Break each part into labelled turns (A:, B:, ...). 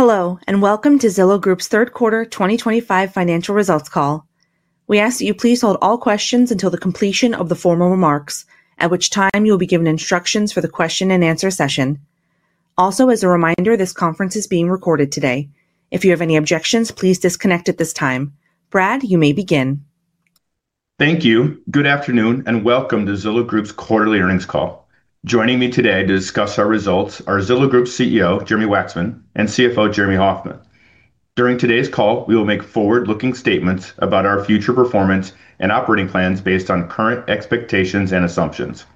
A: Hello, and welcome to Zillow Group's third quarter 2025 financial results call. We ask that you please hold all questions until the completion of the formal remarks, at which time you will be given instructions for the question-and-answer session. Also, as a reminder, this conference is being recorded today. If you have any objections, please disconnect at this time. Brad, you may begin. Thank you. Good afternoon, and welcome to Zillow Group's quarterly earnings call. Joining me today to discuss our results are Zillow Group's CEO, Jeremy Wacksman, and CFO, Jeremy Hofmann. During today's call, we will make forward-looking statements about our future performance and operating plans based on current expectations and assumptions.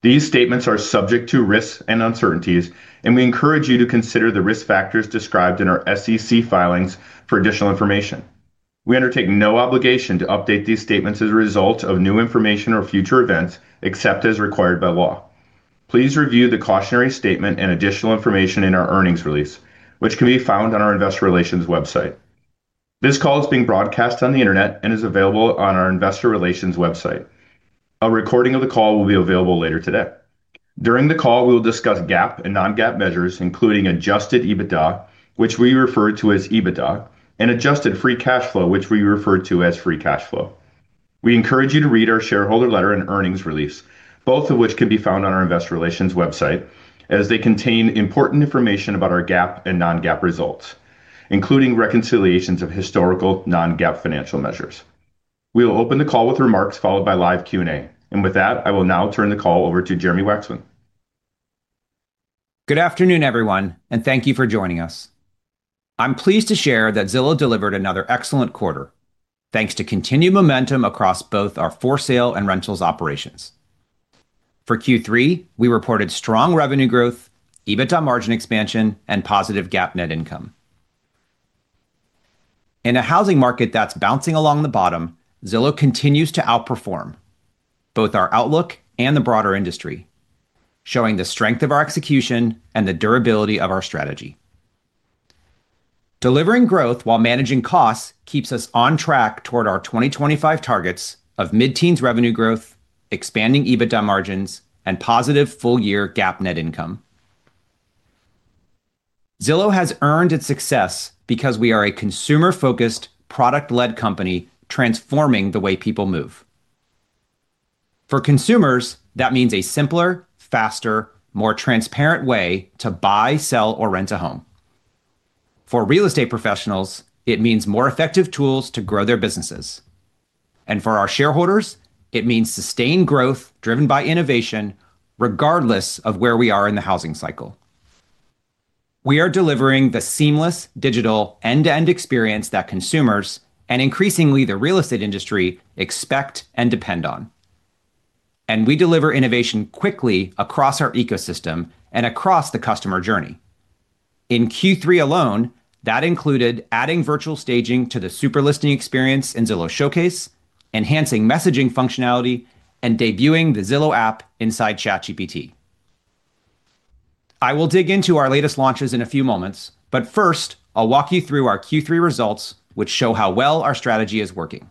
A: These statements are subject to risks and uncertainties, and we encourage you to consider the risk factors described in our SEC filings for additional information. We undertake no obligation to update these statements as a result of new information or future events, except as required by law. Please review the cautionary statement and additional information in our earnings release, which can be found on our investor relations website. This call is being broadcast on the internet and is available on our investor relations website. A recording of the call will be available later today. During the call, we will discuss GAAP and non-GAAP measures, including adjusted EBITDA, which we refer to as EBITDA, and adjusted free cash flow, which we refer to as free cash flow. We encourage you to read our shareholder letter and earnings release, both of which can be found on our investor relations website, as they contain important information about our GAAP and non-GAAP results, including reconciliations of historical non-GAAP financial measures. We will open the call with remarks followed by live Q&A. With that, I will now turn the call over to Jeremy Wacksman.
B: Good afternoon, everyone, and thank you for joining us. I'm pleased to share that Zillow delivered another excellent quarter, thanks to continued momentum across both our for-sale and rentals operations. For Q3, we reported strong revenue growth, EBITDA margin expansion, and positive GAAP net income. In a housing market that's bouncing along the bottom, Zillow continues to outperform both our outlook and the broader industry, showing the strength of our execution and the durability of our strategy. Delivering growth while managing costs keeps us on track toward our 2025 targets of mid-teens revenue growth, expanding EBITDA margins, and positive full-year GAAP net income. Zillow has earned its success because we are a consumer-focused, product-led company transforming the way people move. For consumers, that means a simpler, faster, more transparent way to buy, sell, or rent a home. For real estate professionals, it means more effective tools to grow their businesses. For our shareholders, it means sustained growth driven by innovation, regardless of where we are in the housing cycle. We are delivering the seamless digital end-to-end experience that consumers, and increasingly the real estate industry, expect and depend on. We deliver innovation quickly across our ecosystem and across the customer journey. In Q3 alone, that included adding virtual staging to the super listing experience in Zillow Showcase, enhancing messaging functionality, and debuting the Zillow app inside ChatGPT. I will dig into our latest launches in a few moments, but first, I'll walk you through our Q3 results, which show how well our strategy is working.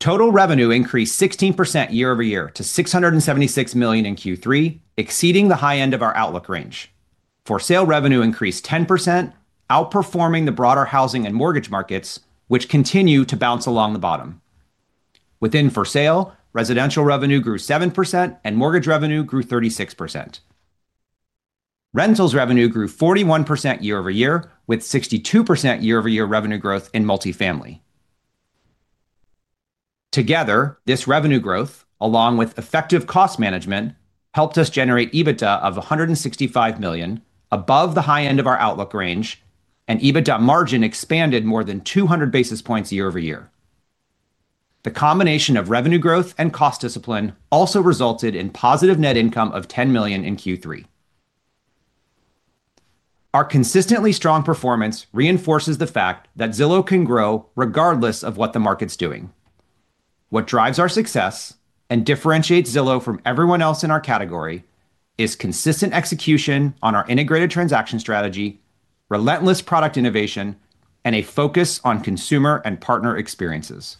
B: Total revenue increased 16% year-over-year to $676 million in Q3, exceeding the high end of our outlook range. For-sale revenue increased 10%, outperforming the broader housing and mortgage markets, which continue to bounce along the bottom. Within for-sale, residential revenue grew 7% and mortgage revenue grew 36%. Rentals revenue grew 41% year-over-year, with 62% year-over-year revenue growth in multifamily. Together, this revenue growth, along with effective cost management, helped us generate EBITDA of $165 million, above the high end of our outlook range, and EBITDA margin expanded more than 200 basis points year over year. The combination of revenue growth and cost discipline also resulted in positive net income of $10 million in Q3. Our consistently strong performance reinforces the fact that Zillow can grow regardless of what the market's doing. What drives our success and differentiates Zillow from everyone else in our category is consistent execution on our integrated transaction strategy, relentless product innovation, and a focus on consumer and partner experiences.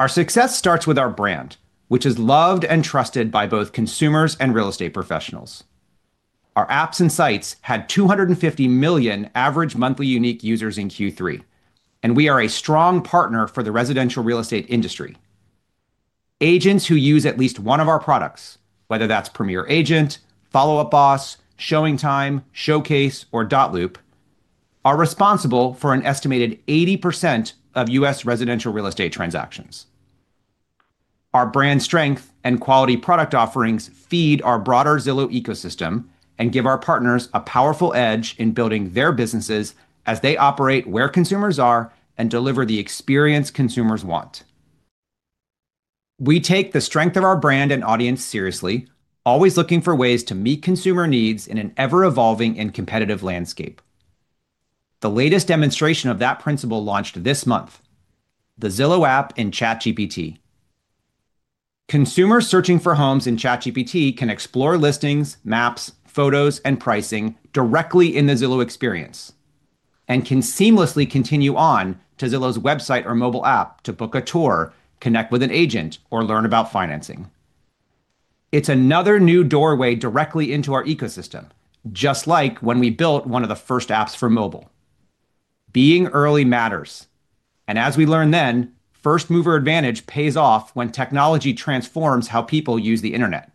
B: Our success starts with our brand, which is loved and trusted by both consumers and real estate professionals. Our apps and sites had 250 million average monthly unique users in Q3, and we are a strong partner for the residential real estate industry. Agents who use at least one of our products, whether that's Premier Agent, Follow Up Boss, ShowingTime, Zillow Showcase, or Dotloop, are responsible for an estimated 80% of U.S. residential real estate transactions. Our brand strength and quality product offerings feed our broader Zillow ecosystem and give our partners a powerful edge in building their businesses as they operate where consumers are and deliver the experience consumers want. We take the strength of our brand and audience seriously, always looking for ways to meet consumer needs in an ever-evolving and competitive landscape. The latest demonstration of that principle launched this month: the Zillow app in ChatGPT. Consumers searching for homes in ChatGPT can explore listings, maps, photos, and pricing directly in the Zillow experience, and can seamlessly continue on to Zillow's website or mobile app to book a tour, connect with an agent, or learn about financing. It's another new doorway directly into our ecosystem, just like when we built one of the first apps for mobile. Being early matters, and as we learned then, first mover advantage pays off when technology transforms how people use the internet.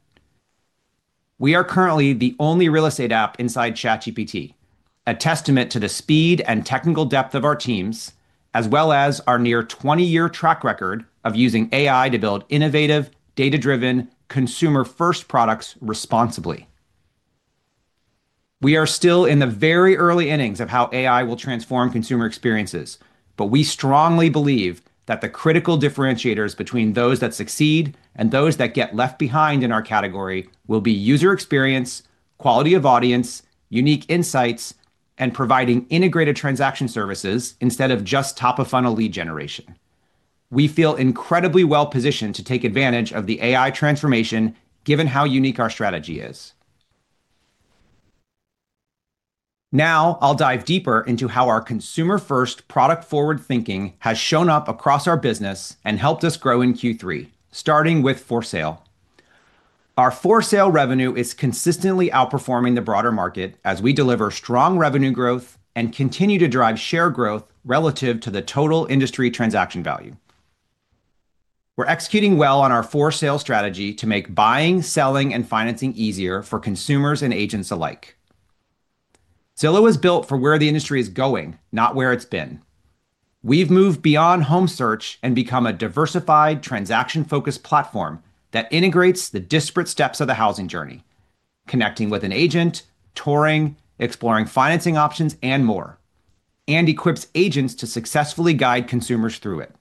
B: We are currently the only real estate app inside ChatGPT, a testament to the speed and technical depth of our teams, as well as our near 20-year track record of using AI to build innovative, data-driven, consumer-first products responsibly. We are still in the very early innings of how AI will transform consumer experiences, but we strongly believe that the critical differentiators between those that succeed and those that get left behind in our category will be user experience, quality of audience, unique insights, and providing integrated transaction services instead of just top-of-funnel lead generation. We feel incredibly well-positioned to take advantage of the AI transformation, given how unique our strategy is. Now, I'll dive deeper into how our consumer-first, product-forward thinking has shown up across our business and helped us grow in Q3, starting with for-sale. Our for-sale revenue is consistently outperforming the broader market as we deliver strong revenue growth and continue to drive share growth relative to the total industry transaction value. We're executing well on our for-sale strategy to make buying, selling, and financing easier for consumers and agents alike. Zillow is built for where the industry is going, not where it's been. We've moved beyond home search and become a diversified, transaction-focused platform that integrates the disparate steps of the housing journey, connecting with an agent, touring, exploring financing options, and more, and equips agents to successfully guide consumers through it.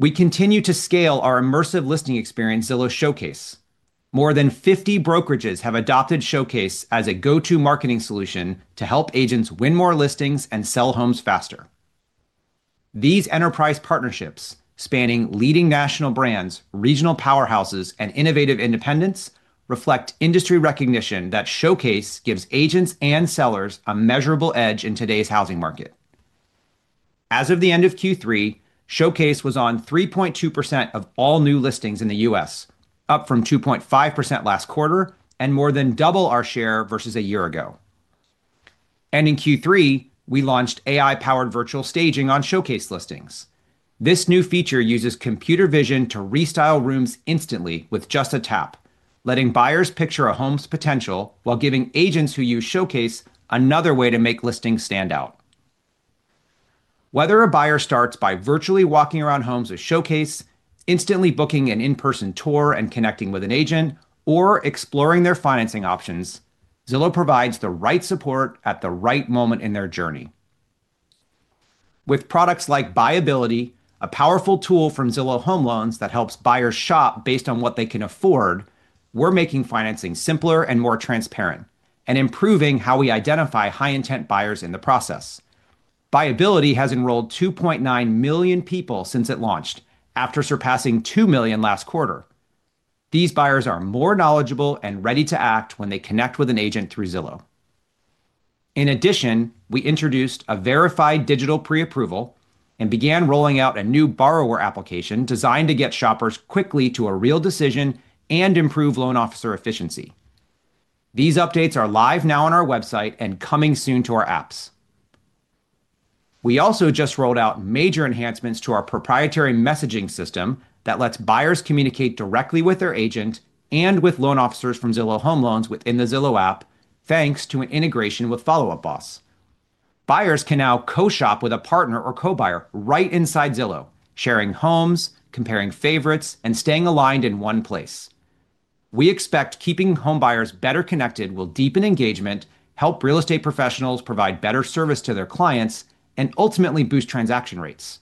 B: We continue to scale our immersive listing experience, Zillow Showcase. More than 50 brokerages have adopted Showcase as a go-to marketing solution to help agents win more listings and sell homes faster. These enterprise partnerships, spanning leading national brands, regional powerhouses, and innovative independents, reflect industry recognition that Showcase gives agents and sellers a measurable edge in today's housing market. As of the end of Q3, Showcase was on 3.2% of all new listings in the U.S., up from 2.5% last quarter and more than double our share versus a year ago. In Q3, we launched AI-powered virtual staging on Showcase listings. This new feature uses computer vision to restyle rooms instantly with just a tap, letting buyers picture a home's potential while giving agents who use Showcase another way to make listings stand out. Whether a buyer starts by virtually walking around homes with Showcase, instantly booking an in-person tour, and connecting with an agent, or exploring their financing options, Zillow provides the right support at the right moment in their journey. With products like Buyability, a powerful tool from Zillow Home Loans that helps buyers shop based on what they can afford, we're making financing simpler and more transparent, and improving how we identify high-intent buyers in the process. Buyability has enrolled 2.9 million people since it launched, after surpassing 2 million last quarter. These buyers are more knowledgeable and ready to act when they connect with an agent through Zillow. In addition, we introduced a verified digital pre-approval and began rolling out a new borrower application designed to get shoppers quickly to a real decision and improve loan officer efficiency. These updates are live now on our website and coming soon to our apps. We also just rolled out major enhancements to our proprietary messaging system that lets buyers communicate directly with their agent and with loan officers from Zillow Home Loans within the Zillow app, thanks to an integration with Follow Up Boss. Buyers can now co-shop with a partner or co-buyer right inside Zillow, sharing homes, comparing favorites, and staying aligned in one place. We expect keeping home buyers better connected will deepen engagement, help real estate professionals provide better service to their clients, and ultimately boost transaction rates.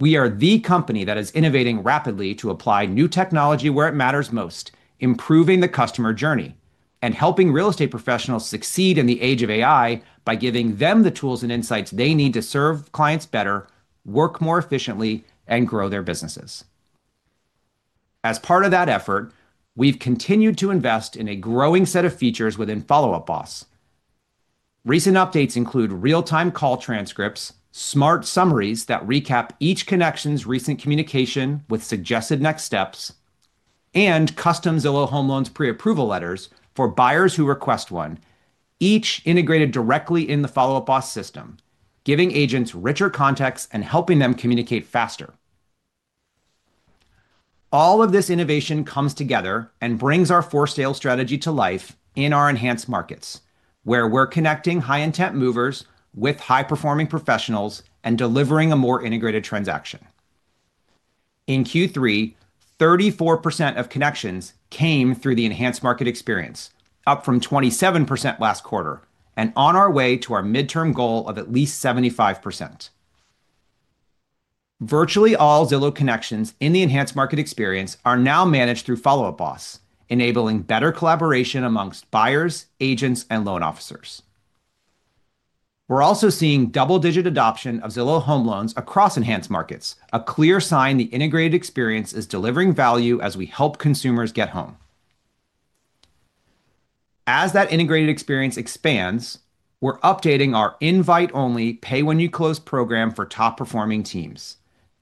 B: We are the company that is innovating rapidly to apply new technology where it matters most, improving the customer journey, and helping real estate professionals succeed in the age of AI by giving them the tools and insights they need to serve clients better, work more efficiently, and grow their businesses. As part of that effort, we've continued to invest in a growing set of features within Follow Up Boss. Recent updates include real-time call transcripts, smart summaries that recap each connection's recent communication with suggested next steps, and custom Zillow Home Loans pre-approval letters for buyers who request one, each integrated directly in the Follow Up Boss system, giving agents richer context and helping them communicate faster. All of this innovation comes together and brings our for-sale strategy to life in our enhanced markets, where we're connecting high-intent movers with high-performing professionals and delivering a more integrated transaction. In Q3, 34% of connections came through the enhanced market experience, up from 27% last quarter, and on our way to our midterm goal of at least 75%. Virtually all Zillow connections in the enhanced market experience are now managed through Follow Up Boss, enabling better collaboration amongst buyers, agents, and loan officers. We're also seeing double-digit adoption of Zillow Home Loans across enhanced markets, a clear sign the integrated experience is delivering value as we help consumers get home. As that integrated experience expands, we're updating our invite-only pay-when-you-close program for top-performing teams.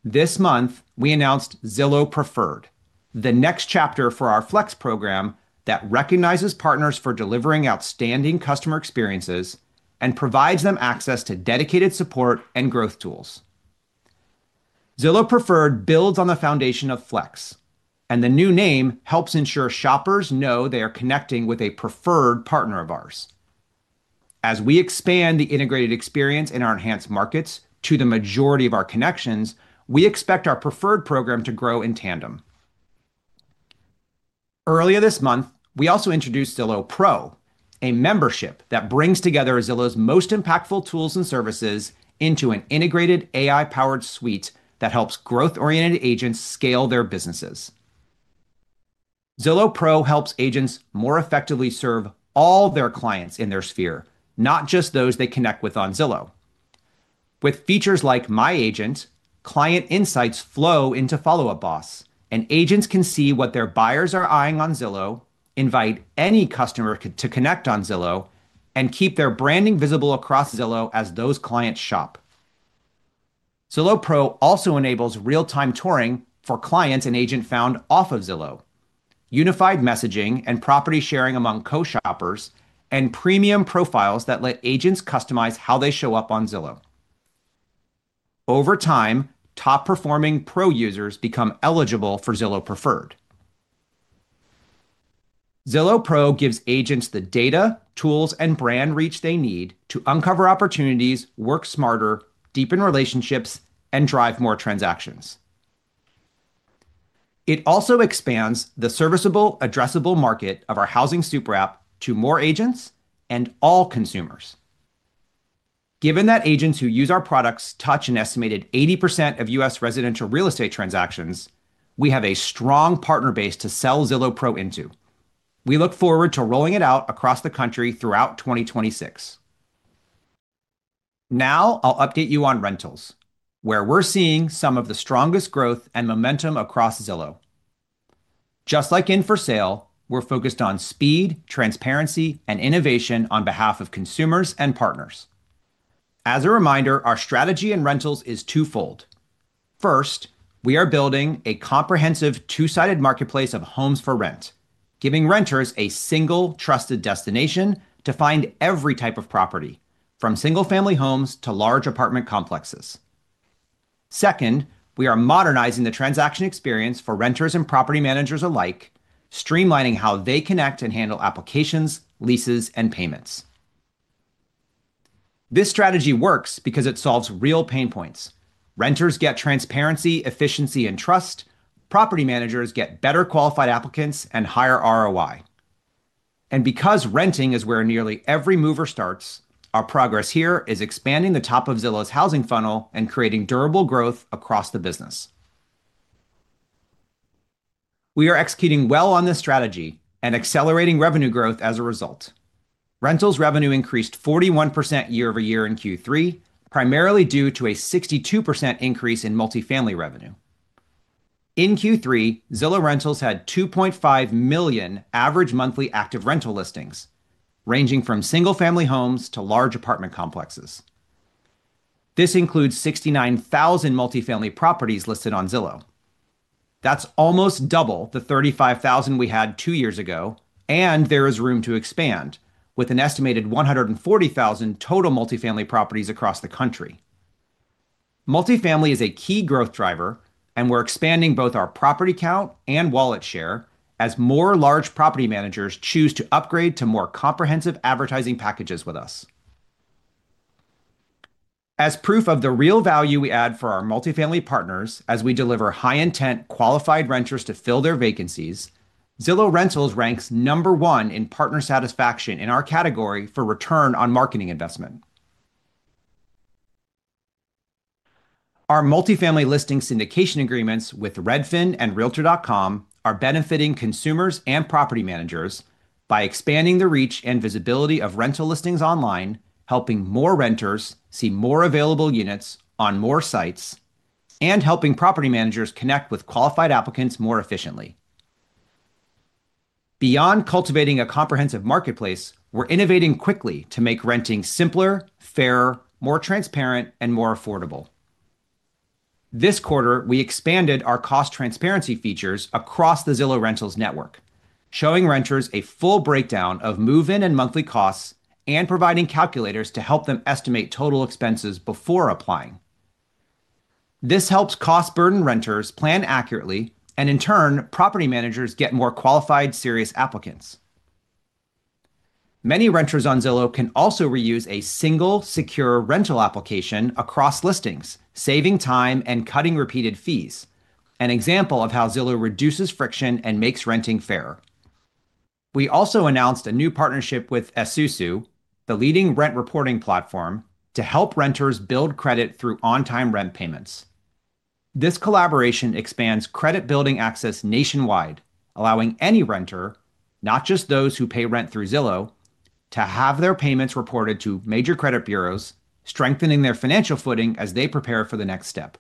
B: This month, we announced Zillow Preferred, the next chapter for our Flex program that recognizes partners for delivering outstanding customer experiences and provides them access to dedicated support and growth tools. Zillow Preferred builds on the foundation of Flex, and the new name helps ensure shoppers know they are connecting with a preferred partner of ours. As we expand the integrated experience in our enhanced markets to the majority of our connections, we expect our Preferred program to grow in tandem. Earlier this month, we also introduced Zillow Pro, a membership that brings together Zillow's most impactful tools and services into an integrated AI-powered suite that helps growth-oriented agents scale their businesses. Zillow Pro helps agents more effectively serve all their clients in their sphere, not just those they connect with on Zillow. With features like My Agent, client insights flow into Follow Up Boss, and agents can see what their buyers are eyeing on Zillow, invite any customer to connect on Zillow, and keep their branding visible across Zillow as those clients shop. Zillow Pro also enables real-time touring for clients an agent found off of Zillow, unified messaging and property sharing among co-shoppers, and premium profiles that let agents customize how they show up on Zillow. Over time, top-performing Pro users become eligible for Zillow Preferred. Zillow Pro gives agents the data, tools, and brand reach they need to uncover opportunities, work smarter, deepen relationships, and drive more transactions. It also expands the serviceable, addressable market of our housing super app to more agents and all consumers. Given that agents who use our products touch an estimated 80% of U.S. residential real estate transactions, we have a strong partner base to sell Zillow Pro into. We look forward to rolling it out across the country throughout 2026. Now, I'll update you on rentals, where we're seeing some of the strongest growth and momentum across Zillow. Just like in for-sale, we're focused on speed, transparency, and innovation on behalf of consumers and partners. As a reminder, our strategy in rentals is twofold. First, we are building a comprehensive two-sided marketplace of homes for rent, giving renters a single, trusted destination to find every type of property, from single-family homes to large apartment complexes. Second, we are modernizing the transaction experience for renters and property managers alike, streamlining how they connect and handle applications, leases, and payments. This strategy works because it solves real pain points. Renters get transparency, efficiency, and trust. Property managers get better qualified applicants and higher ROI. Because renting is where nearly every mover starts, our progress here is expanding the top of Zillow's housing funnel and creating durable growth across the business. We are executing well on this strategy and accelerating revenue growth as a result. Rentals revenue increased 41% year over year in Q3, primarily due to a 62% increase in multifamily revenue. In Q3, Zillow Rentals had 2.5 million average monthly active rental listings, ranging from single-family homes to large apartment complexes. This includes 69,000 multifamily properties listed on Zillow. That's almost double the 35,000 we had two years ago, and there is room to expand, with an estimated 140,000 total multifamily properties across the country. Multifamily is a key growth driver, and we're expanding both our property count and wallet share as more large property managers choose to upgrade to more comprehensive advertising packages with us. As proof of the real value we add for our multifamily partners as we deliver high-intent, qualified renters to fill their vacancies, Zillow Rentals ranks number one in partner satisfaction in our category for return on marketing investment. Our multifamily listing syndication agreements with Redfin and Realtor.com are benefiting consumers and property managers by expanding the reach and visibility of rental listings online, helping more renters see more available units on more sites, and helping property managers connect with qualified applicants more efficiently. Beyond cultivating a comprehensive marketplace, we're innovating quickly to make renting simpler, fairer, more transparent, and more affordable. This quarter, we expanded our cost transparency features across the Zillow Rentals network, showing renters a full breakdown of move-in and monthly costs and providing calculators to help them estimate total expenses before applying. This helps cost-burdened renters plan accurately, and in turn, property managers get more qualified, serious applicants. Many renters on Zillow can also reuse a single, secure rental application across listings, saving time and cutting repeated fees, an example of how Zillow reduces friction and makes renting fairer. We also announced a new partnership with Esusu, the leading rent reporting platform, to help renters build credit through on-time rent payments. This collaboration expands credit-building access nationwide, allowing any renter, not just those who pay rent through Zillow, to have their payments reported to major credit bureaus, strengthening their financial footing as they prepare for the next step.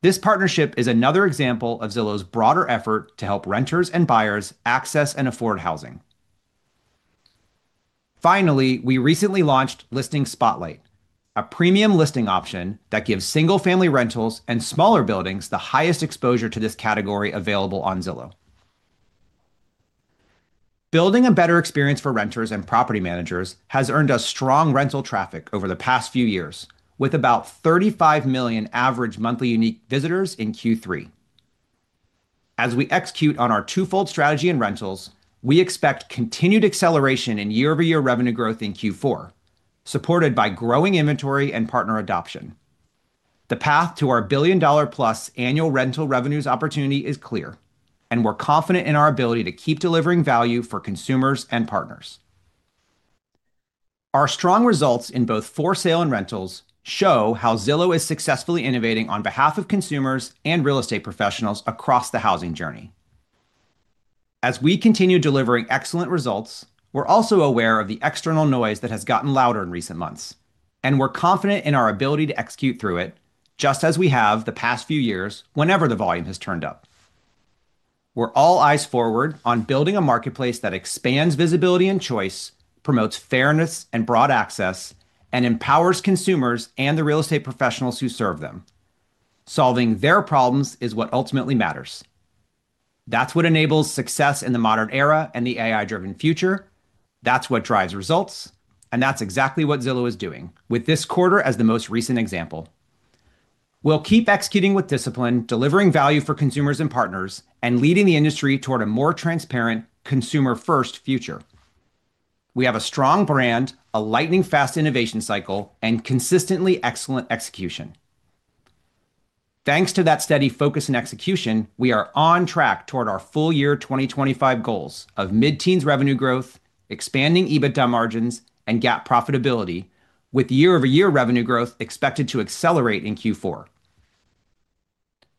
B: This partnership is another example of Zillow's broader effort to help renters and buyers access and afford housing. Finally, we recently launched Listing Spotlight, a premium listing option that gives single-family rentals and smaller buildings the highest exposure to this category available on Zillow. Building a better experience for renters and property managers has earned us strong rental traffic over the past few years, with about 35 million average monthly unique visitors in Q3. As we execute on our twofold strategy in rentals, we expect continued acceleration in year-over-year revenue growth in Q4, supported by growing inventory and partner adoption. The path to our billion-dollar-plus annual rental revenues opportunity is clear, and we're confident in our ability to keep delivering value for consumers and partners. Our strong results in both for-sale and rentals show how Zillow is successfully innovating on behalf of consumers and real estate professionals across the housing journey. As we continue delivering excellent results, we're also aware of the external noise that has gotten louder in recent months, and we're confident in our ability to execute through it, just as we have the past few years whenever the volume has turned up. We're all eyes forward on building a marketplace that expands visibility and choice, promotes fairness and broad access, and empowers consumers and the real estate professionals who serve them. Solving their problems is what ultimately matters. That's what enables success in the modern era and the AI-driven future. That's what drives results, and that's exactly what Zillow is doing, with this quarter as the most recent example. We'll keep executing with discipline, delivering value for consumers and partners, and leading the industry toward a more transparent, consumer-first future. We have a strong brand, a lightning-fast innovation cycle, and consistently excellent execution. Thanks to that steady focus and execution, we are on track toward our full-year 2025 goals of mid-teens revenue growth, expanding EBITDA margins, and GAAP profitability, with year-over-year revenue growth expected to accelerate in Q4.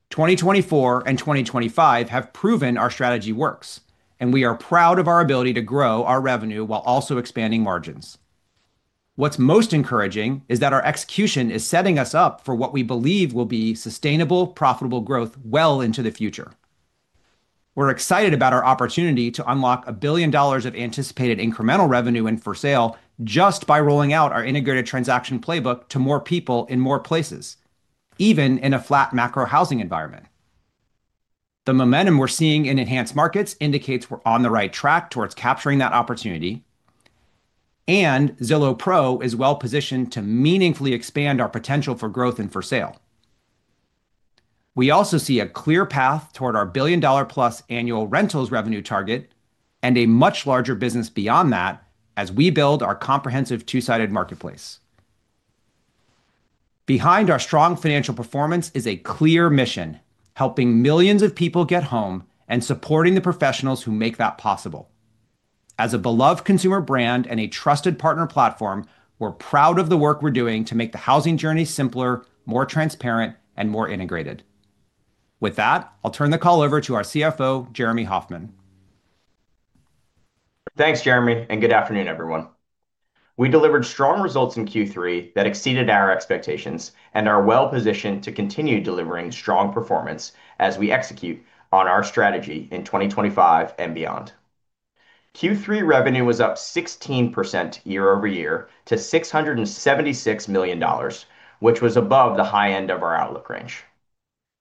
B: 2024 and 2025 have proven our strategy works, and we are proud of our ability to grow our revenue while also expanding margins. What's most encouraging is that our execution is setting us up for what we believe will be sustainable, profitable growth well into the future. We're excited about our opportunity to unlock a billion dollars of anticipated incremental revenue in for-sale just by rolling out our integrated transaction playbook to more people in more places, even in a flat macro housing environment. The momentum we're seeing in enhanced markets indicates we're on the right track towards capturing that opportunity. Zillow Pro is well positioned to meaningfully expand our potential for growth in for-sale. We also see a clear path toward our billion-dollar-plus annual rentals revenue target and a much larger business beyond that as we build our comprehensive two-sided marketplace. Behind our strong financial performance is a clear mission: helping millions of people get home and supporting the professionals who make that possible. As a beloved consumer brand and a trusted partner platform, we're proud of the work we're doing to make the housing journey simpler, more transparent, and more integrated. With that, I'll turn the call over to our CFO, Jeremy Hofmann.
C: Thanks, Jeremy, and good afternoon, everyone. We delivered strong results in Q3 that exceeded our expectations and are well positioned to continue delivering strong performance as we execute on our strategy in 2025 and beyond. Q3 revenue was up 16% year-over-year to $676 million, which was above the high end of our outlook range.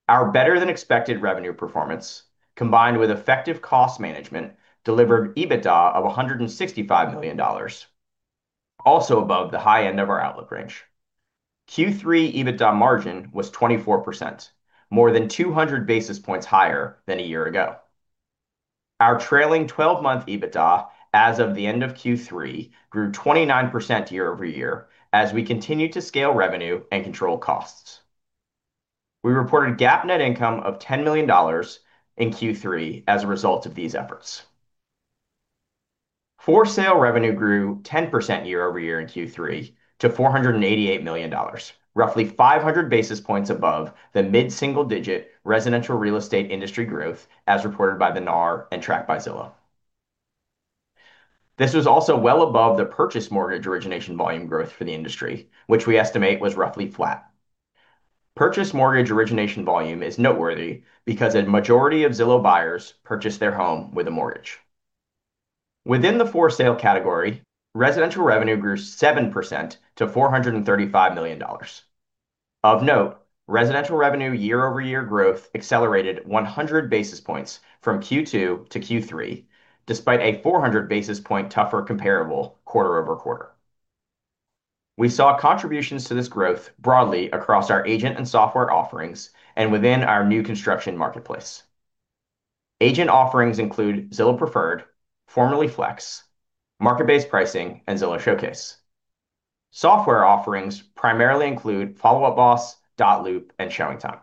C: Our better-than-expected revenue performance, combined with effective cost management, delivered EBITDA of $165 million, also above the high end of our outlook range. Q3 EBITDA margin was 24%, more than 200 basis points higher than a year ago. Our trailing 12-month EBITDA as of the end of Q3 grew 29% year-over-year as we continue to scale revenue and control costs. We reported GAAP net income of $10 million in Q3 as a result of these efforts. For-sale revenue grew 10% year-over-year in Q3 to $488 million, roughly 500 basis points above the mid-single-digit residential real estate industry growth as reported by the NAR and tracked by Zillow. This was also well above the purchase mortgage origination volume growth for the industry, which we estimate was roughly flat. Purchase mortgage origination volume is noteworthy because a majority of Zillow buyers purchased their home with a mortgage. Within the for-sale category, residential revenue grew 7% to $435 million. Of note, residential revenue year-over-year growth accelerated 100 basis points from Q2 to Q3, despite a 400 basis point tougher comparable quarter-over-quarter. We saw contributions to this growth broadly across our agent and software offerings and within our new construction marketplace. Agent offerings include Zillow Preferred, formerly Flex, Market-Based Pricing, and Zillow Showcase. Software offerings primarily include Follow Up Boss, Dotloop, and ShowingTime.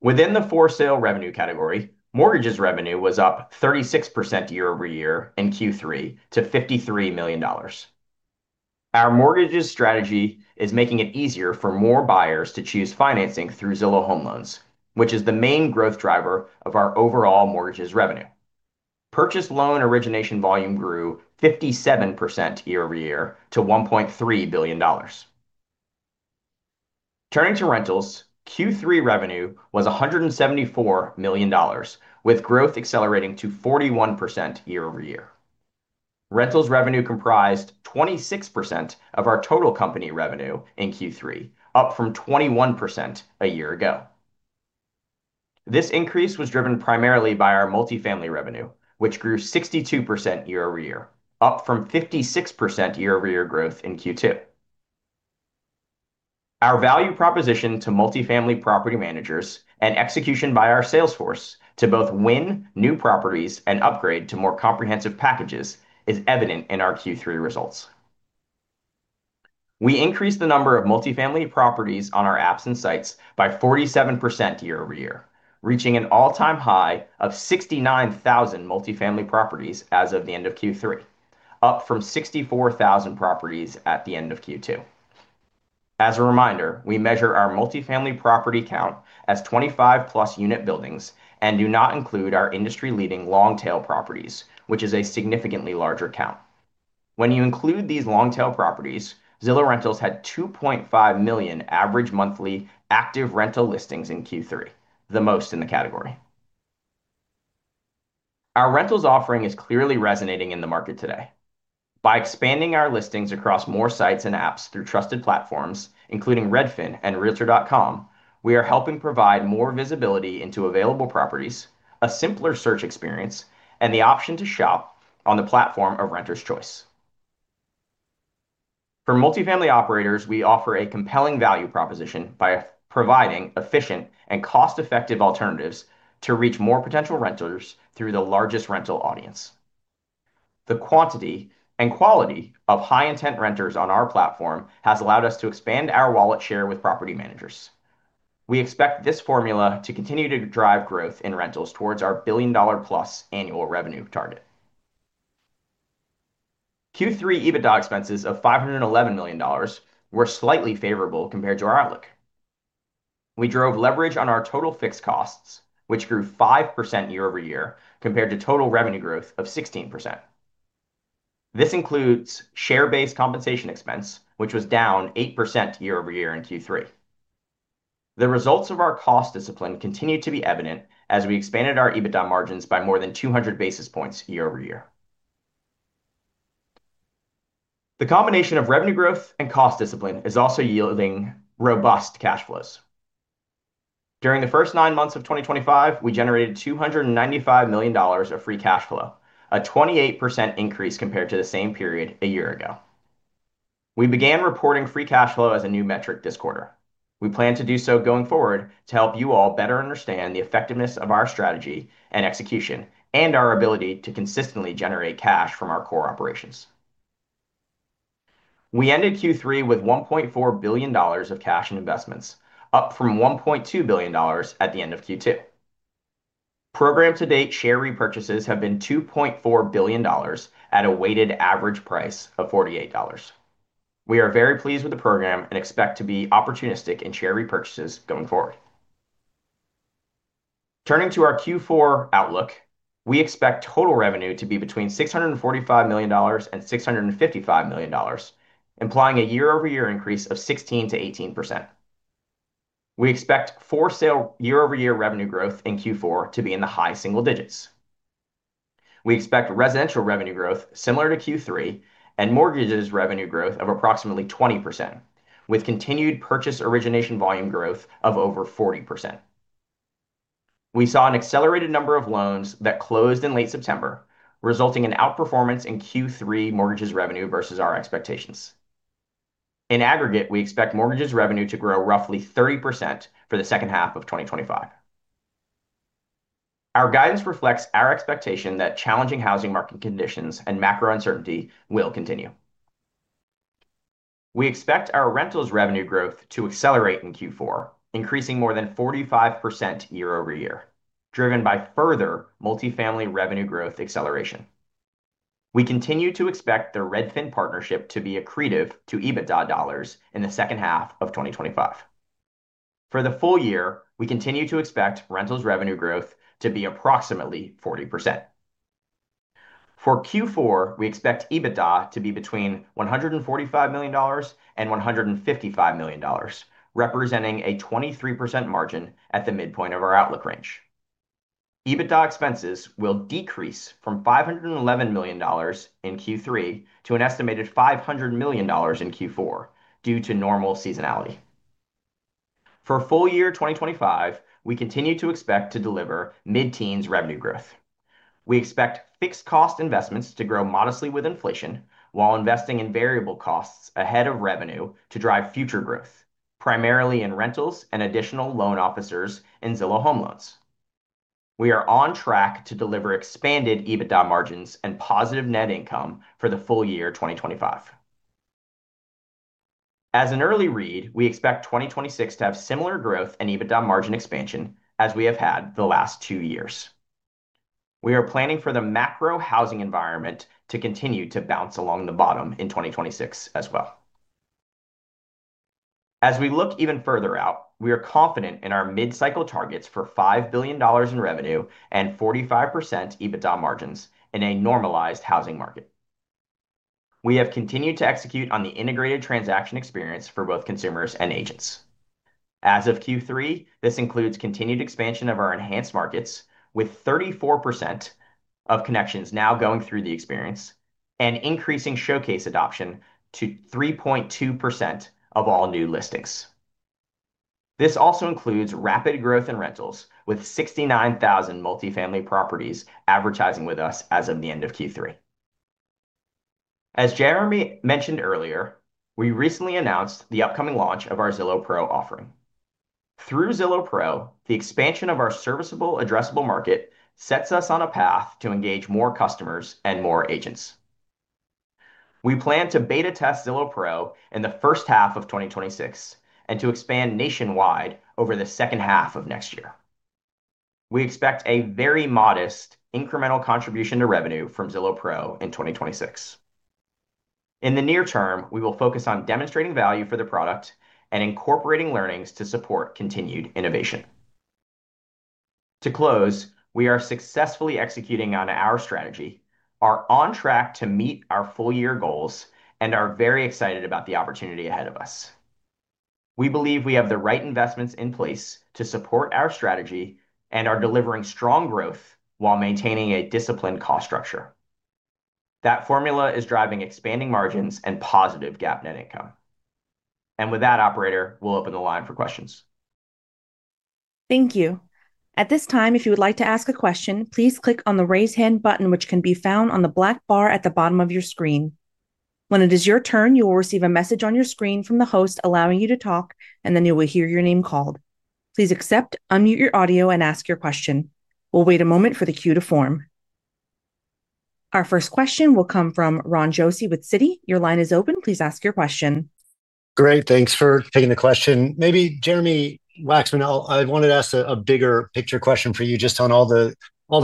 C: Within the for-sale revenue category, mortgages revenue was up 36% year-over-year in Q3 to $53 million. Our mortgages strategy is making it easier for more buyers to choose financing through Zillow Home Loans, which is the main growth driver of our overall mortgages revenue. Purchase loan origination volume grew 57% year-over-year to $1.3 billion. Turning to rentals, Q3 revenue was $174 million, with growth accelerating to 41% year-over-year. Rentals revenue comprised 26% of our total company revenue in Q3, up from 21% a year ago. This increase was driven primarily by our multifamily revenue, which grew 62% year-over-year, up from 56% year-over-year growth in Q2. Our value proposition to multifamily property managers and execution by our salesforce to both win new properties and upgrade to more comprehensive packages is evident in our Q3 results. We increased the number of multifamily properties on our apps and sites by 47% year-over-year, reaching an all-time high of 69,000 multifamily properties as of the end of Q3, up from 64,000 properties at the end of Q2. As a reminder, we measure our multifamily property count as 25-plus unit buildings and do not include our industry-leading long-tail properties, which is a significantly larger count. When you include these long-tail properties, Zillow Rentals had 2.5 million average monthly active rental listings in Q3, the most in the category. Our rentals offering is clearly resonating in the market today. By expanding our listings across more sites and apps through trusted platforms, including Redfin and Realtor.com, we are helping provide more visibility into available properties, a simpler search experience, and the option to shop on the platform of renters' choice. For multifamily operators, we offer a compelling value proposition by providing efficient and cost-effective alternatives to reach more potential renters through the largest rental audience. The quantity and quality of high-intent renters on our platform has allowed us to expand our wallet share with property managers. We expect this formula to continue to drive growth in rentals towards our billion-dollar-plus annual revenue target. Q3 EBITDA expenses of $511 million were slightly favorable compared to our outlook. We drove leverage on our total fixed costs, which grew 5% year-over-year compared to total revenue growth of 16%. This includes share-based compensation expense, which was down 8% year-over-year in Q3. The results of our cost discipline continued to be evident as we expanded our EBITDA margins by more than 200 basis points year-over-year. The combination of revenue growth and cost discipline is also yielding robust cash flows. During the first nine months of 2025, we generated $295 million of free cash flow, a 28% increase compared to the same period a year ago. We began reporting free cash flow as a new metric this quarter. We plan to do so going forward to help you all better understand the effectiveness of our strategy and execution and our ability to consistently generate cash from our core operations. We ended Q3 with $1.4 billion of cash and investments, up from $1.2 billion at the end of Q2. Program-to-date share repurchases have been $2.4 billion at a weighted average price of $48. We are very pleased with the program and expect to be opportunistic in share repurchases going forward. Turning to our Q4 outlook, we expect total revenue to be between $645 million and $655 million, implying a year-over-year increase of 16% to 18%. We expect for-sale year-over-year revenue growth in Q4 to be in the high single digits. We expect residential revenue growth similar to Q3 and mortgages revenue growth of approximately 20%, with continued purchase origination volume growth of over 40%. We saw an accelerated number of loans that closed in late September, resulting in outperformance in Q3 mortgages revenue versus our expectations. In aggregate, we expect mortgages revenue to grow roughly 30% for the second half of 2025. Our guidance reflects our expectation that challenging housing market conditions and macro uncertainty will continue. We expect our rentals revenue growth to accelerate in Q4, increasing more than 45% year-over-year, driven by further multifamily revenue growth acceleration. We continue to expect the Redfin partnership to be accretive to EBITDA dollars in the second half of 2025. For the full year, we continue to expect rentals revenue growth to be approximately 40%. For Q4, we expect EBITDA to be between $145 million and $155 million, representing a 23% margin at the midpoint of our outlook range. EBITDA expenses will decrease from $511 million in Q3 to an estimated $500 million in Q4 due to normal seasonality. For full year 2025, we continue to expect to deliver mid-teens revenue growth. We expect fixed cost investments to grow modestly with inflation while investing in variable costs ahead of revenue to drive future growth, primarily in rentals and additional loan officers in Zillow Home Loans.
B: We are on track to deliver expanded EBITDA margins and positive net income for the full year 2025. As an early read, we expect 2026 to have similar growth and EBITDA margin expansion as we have had the last two years. We are planning for the macro housing environment to continue to bounce along the bottom in 2026 as well. As we look even further out, we are confident in our mid-cycle targets for $5 billion in revenue and 45% EBITDA margins in a normalized housing market. We have continued to execute on the integrated transaction experience for both consumers and agents. As of Q3, this includes continued expansion of our enhanced markets, with 34% of connections now going through the experience and increasing Showcase adoption to 3.2% of all new listings. This also includes rapid growth in rentals, with 69,000 multifamily properties advertising with us as of the end of Q3. As Jeremy mentioned earlier, we recently announced the upcoming launch of our Zillow Pro offering. Through Zillow Pro, the expansion of our serviceable, addressable market sets us on a path to engage more customers and more agents. We plan to beta test Zillow Pro in the first half of 2026 and to expand nationwide over the second half of next year. We expect a very modest incremental contribution to revenue from Zillow Pro in 2026. In the near term, we will focus on demonstrating value for the product and incorporating learnings to support continued innovation. To close, we are successfully executing on our strategy, are on track to meet our full-year goals, and are very excited about the opportunity ahead of us. We believe we have the right investments in place to support our strategy and are delivering strong growth while maintaining a disciplined cost structure. That formula is driving expanding margins and positive GAAP net income. With that, Operator, we'll open the line for questions.
A: Thank you. At this time, if you would like to ask a question, please click on the raise hand button, which can be found on the black bar at the bottom of your screen. When it is your turn, you will receive a message on your screen from the host allowing you to talk, and then you will hear your name called. Please accept, unmute your audio, and ask your question. We'll wait a moment for the queue to form. Our first question will come from Ron Josie with Citi. Your line is open. Please ask your question.
D: Great. Thanks for taking the question. Maybe Jeremy Wacksman, I wanted to ask a bigger picture question for you just on all the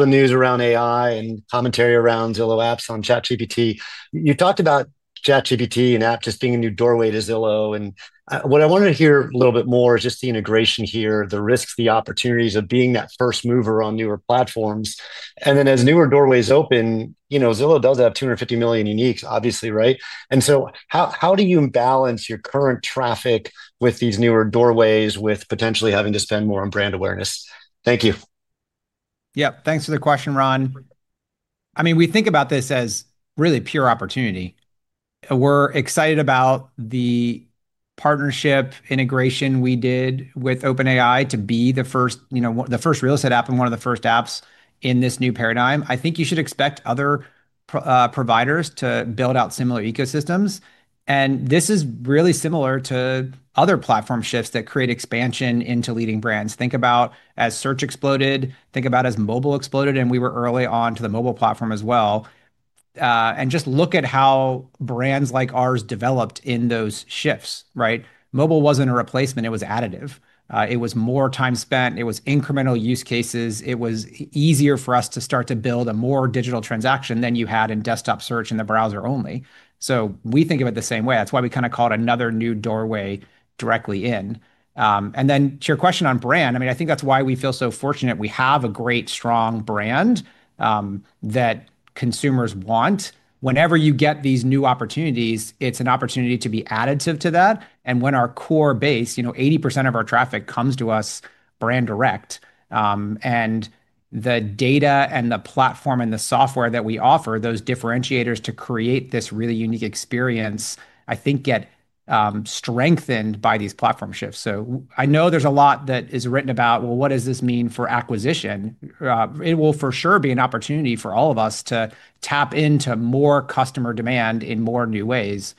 D: news around AI and commentary around Zillow app on ChatGPT. You talked about ChatGPT and app just being a new doorway to Zillow. What I wanted to hear a little bit more is just the integration here, the risks, the opportunities of being that first mover on newer platforms. As newer doorways open, you know Zillow does have 250 million uniques, obviously, right? How do you balance your current traffic with these newer doorways, with potentially having to spend more on brand awareness? Thank you.
B: Yeah, thanks for the question, Ron. I mean, we think about this as really pure opportunity. We're excited about the partnership integration we did with OpenAI to be the first, you know, the first real estate app and one of the first apps in this new paradigm. I think you should expect other providers to build out similar ecosystems. This is really similar to other platform shifts that create expansion into leading brands. Think about as search exploded, think about as mobile exploded, and we were early on to the mobile platform as well. Just look at how brands like ours developed in those shifts, right? Mobile wasn't a replacement. It was additive. It was more time spent. It was incremental use cases. It was easier for us to start to build a more digital transaction than you had in desktop search and the browser only. We think of it the same way. That's why we kind of called another new doorway directly in. Then to your question on brand, I think that's why we feel so fortunate. We have a great, strong brand that consumers want. Whenever you get these new opportunities, it's an opportunity to be additive to that. Our core base, you know, 80% of our traffic comes to us brand direct. The data and the platform and the software that we offer, those differentiators to create this really unique experience, I think get strengthened by these platform shifts. I know there's a lot that is written about, well, what does this mean for acquisition? It will for sure be an opportunity for all of us to tap into more customer demand in more new ways.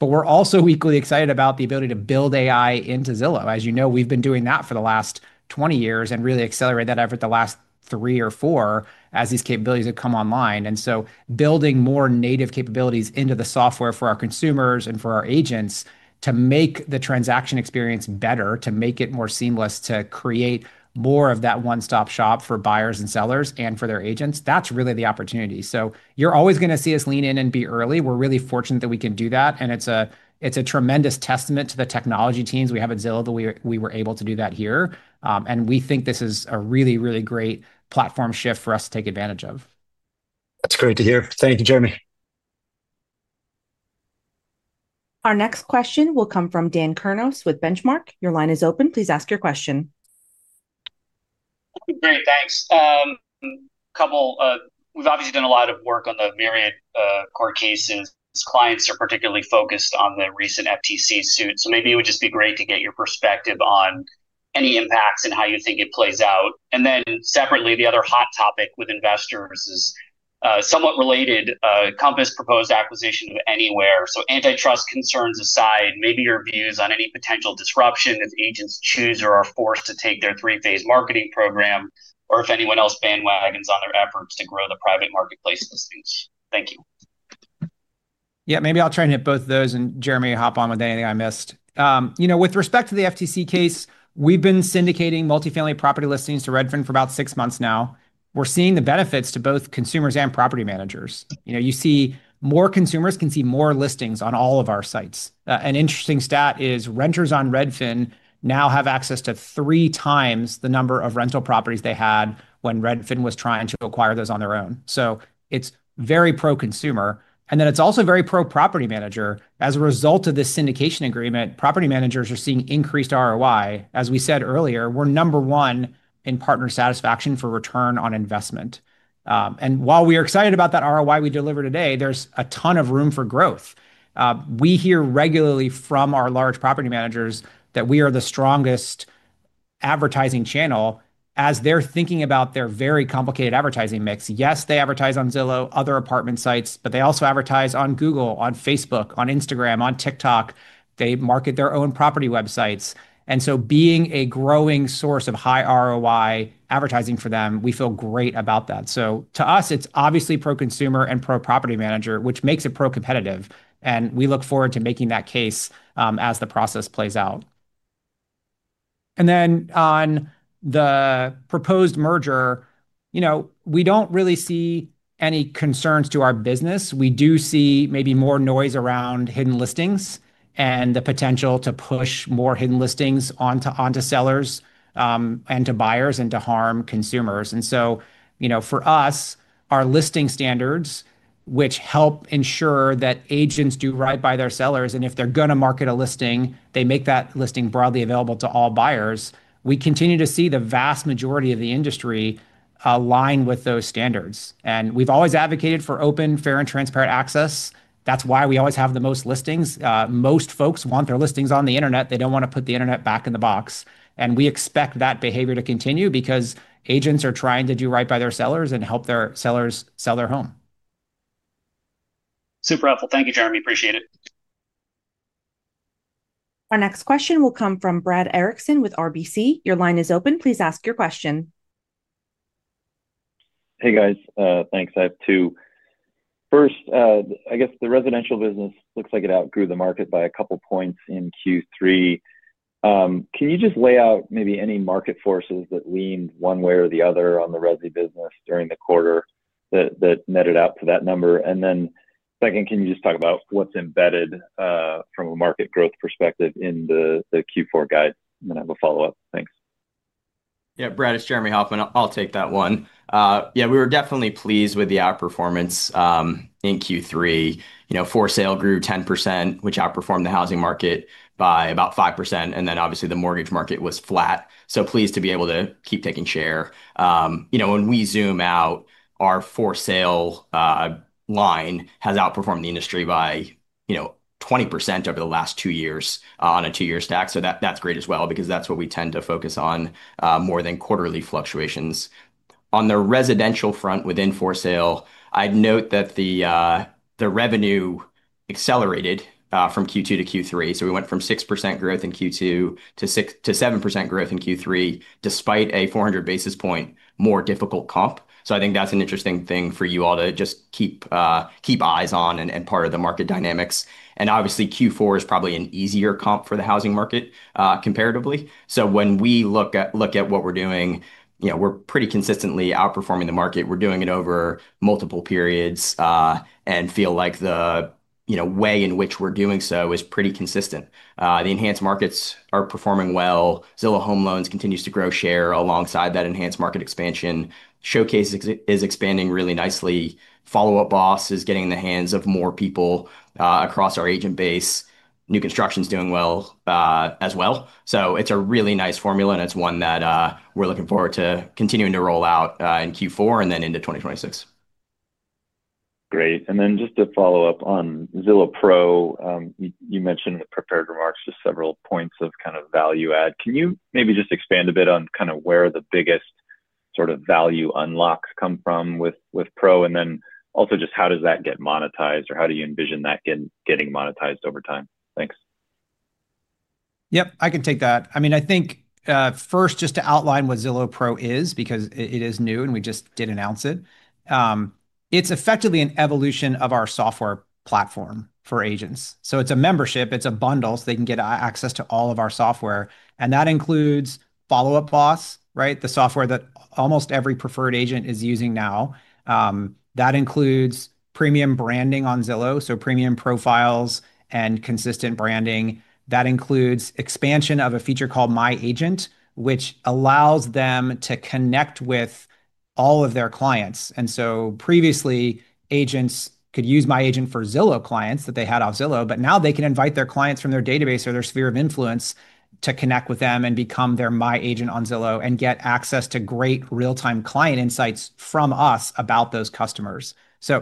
B: We're also equally excited about the ability to build AI into Zillow. As you know, we've been doing that for the last 20 years and really accelerated that effort the last three or four as these capabilities have come online. So building more native capabilities into the software for our consumers and for our agents to make the transaction experience better, to make it more seamless, to create more of that one-stop shop for buyers and sellers and for their agents, that's really the opportunity. You're always going to see us lean in and be early. We're really fortunate that we can do that. It's a tremendous testament to the technology teams we have at Zillow that we were able to do that here. We think this is a really, really great platform shift for us to take advantage of.
D: That's great to hear. Thank you, Jeremy.
A: Our next question will come from Dan Kurnos with Benchmark. Your line is open. Please ask your question.
E: Great, thanks. A couple of, we've obviously done a lot of work on the myriad court cases. Clients are particularly focused on the recent FTC suit. Maybe it would just be great to get your perspective on any impacts and how you think it plays out. Separately, the other hot topic with investors is somewhat related, Compass proposed acquisition of Anywhere. Antitrust concerns aside, maybe your views on any potential disruption as agents choose or are forced to take their three-phase marketing program, or if anyone else bandwagons on their efforts to grow the private marketplace listings. Thank you.
B: Yeah, maybe I'll try and hit both those and Jeremy, hop on with anything I missed. With respect to the FTC case, we've been syndicating multifamily property listings to Redfin for about six months now. We're seeing the benefits to both consumers and property managers. You see more consumers can see more listings on all of our sites. An interesting stat is renters on Redfin now have access to three times the number of rental properties they had when Redfin was trying to acquire those on their own. It's very pro-consumer. It's also very pro-property manager. As a result of this syndication agreement, property managers are seeing increased ROI. As we said earlier, we're number one in partner satisfaction for return on investment. While we are excited about that ROI we deliver today, there's a ton of room for growth. We hear regularly from our large property managers that we are the strongest advertising channel as they're thinking about their very complicated advertising mix. Yes, they advertise on Zillow, other apartment sites, but they also advertise on Google, on Facebook, on Instagram, on TikTok. They market their own property websites. Being a growing source of high ROI advertising for them, we feel great about that. To us, it's obviously pro-consumer and pro-property manager, which makes it pro-competitive. We look forward to making that case as the process plays out. On the proposed merger, we don't really see any concerns to our business. We do see maybe more noise around hidden listings and the potential to push more hidden listings onto sellers and to buyers and to harm consumers. For us, our listing standards, which help ensure that agents do right by their sellers, and if they're going to market a listing, they make that listing broadly available to all buyers, we continue to see the vast majority of the industry align with those standards. We've always advocated for open, fair, and transparent access. That's why we always have the most listings. Most folks want their listings on the internet. They don't want to put the internet back in the box. We expect that behavior to continue because agents are trying to do right by their sellers and help their sellers sell their home.
E: Super helpful. Thank you, Jeremy. Appreciate it.
A: Our next question will come from Brad Erickson with RBC. Your line is open. Please ask your question.
F: Hey guys, thanks. I have two. First, I guess the residential business looks like it outgrew the market by a couple points in Q3. Can you just lay out maybe any market forces that leaned one way or the other on the residential business during the quarter that netted out to that number? Can you just talk about what's embedded from a market growth perspective in the Q4 guide? I have a follow-up.
C: Thanks. Yeah, Brad, this is Jeremy Hofmann. I'll take that one. We were definitely pleased with the outperformance. In Q3, for sale grew 10%, which outperformed the housing market by about 5%. Obviously, the mortgage market was flat. Pleased to be able to keep taking share. When we zoom out, our for sale line has outperformed the industry by 20% over the last two years on a two-year stack. That's great as well because that's what we tend to focus on more than quarterly fluctuations. On the residential front within for sale, I'd note that the revenue accelerated from Q2 to Q3. We went from 6% growth in Q2 to 7% growth in Q3, despite a 400 basis point more difficult comp. I think that's an interesting thing for you all to just keep eyes on and part of the market dynamics. Q4 is probably an easier comp for the housing market comparatively. When we look at what we're doing, we're pretty consistently outperforming the market. We're doing it over multiple periods and feel like the way in which we're doing so is pretty consistent. The enhanced markets are performing well. Zillow Home Loans continues to grow share alongside that enhanced market expansion. Zillow Showcase is expanding really nicely. Follow Up Boss is getting in the hands of more people across our agent base. New construction's doing well as well. It's a really nice formula and it's one that we're looking forward to continuing to roll out in Q4 and then into 2026. Great. Just to follow up on Zillow Pro. You mentioned in the prepared remarks just several points of kind of value add. Can you maybe just expand a bit on kind of where the biggest sort of value unlocks come from with Pro? Then also, just how does that get monetized or how do you envision that getting monetized over time? Thanks.
B: Yep, I can take that. I think first just to outline what Zillow Pro is, because it is new and we just did announce it. It's effectively an evolution of our software platform for agents. It's a membership, it's a bundle, so they can get access to all of our software. That includes Follow Up Boss, the software that almost every preferred agent is using now. That includes premium branding on Zillow, so premium profiles and consistent branding. That includes expansion of a feature called My Agent, which allows them to connect with all of their clients. Previously, agents could use My Agent for Zillow clients that they had on Zillow, but now they can invite their clients from their database or their sphere of influence to connect with them and become their My Agent on Zillow and get access to great real-time client insights from us about those customers.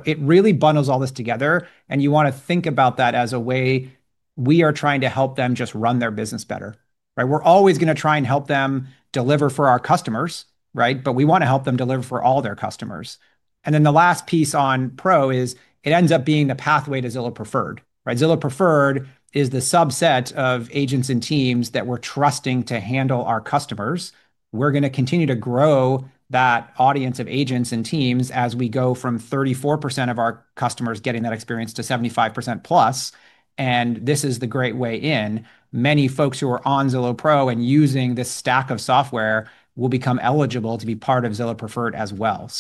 B: It really bundles all this together. You want to think about that as a way we are trying to help them just run their business better, right? We're always going to try and help them deliver for our customers, right? We want to help them deliver for all their customers. The last piece on Pro is it ends up being the pathway to Zillow Preferred, right? Zillow Preferred is the subset of agents and teams that we're trusting to handle our customers. We're going to continue to grow that audience of agents and teams as we go from 34% of our customers getting that experience to 75% plus. This is the great way in. Many folks who are on Zillow Pro and using this stack of software will become eligible to be part of Zillow Preferred as well.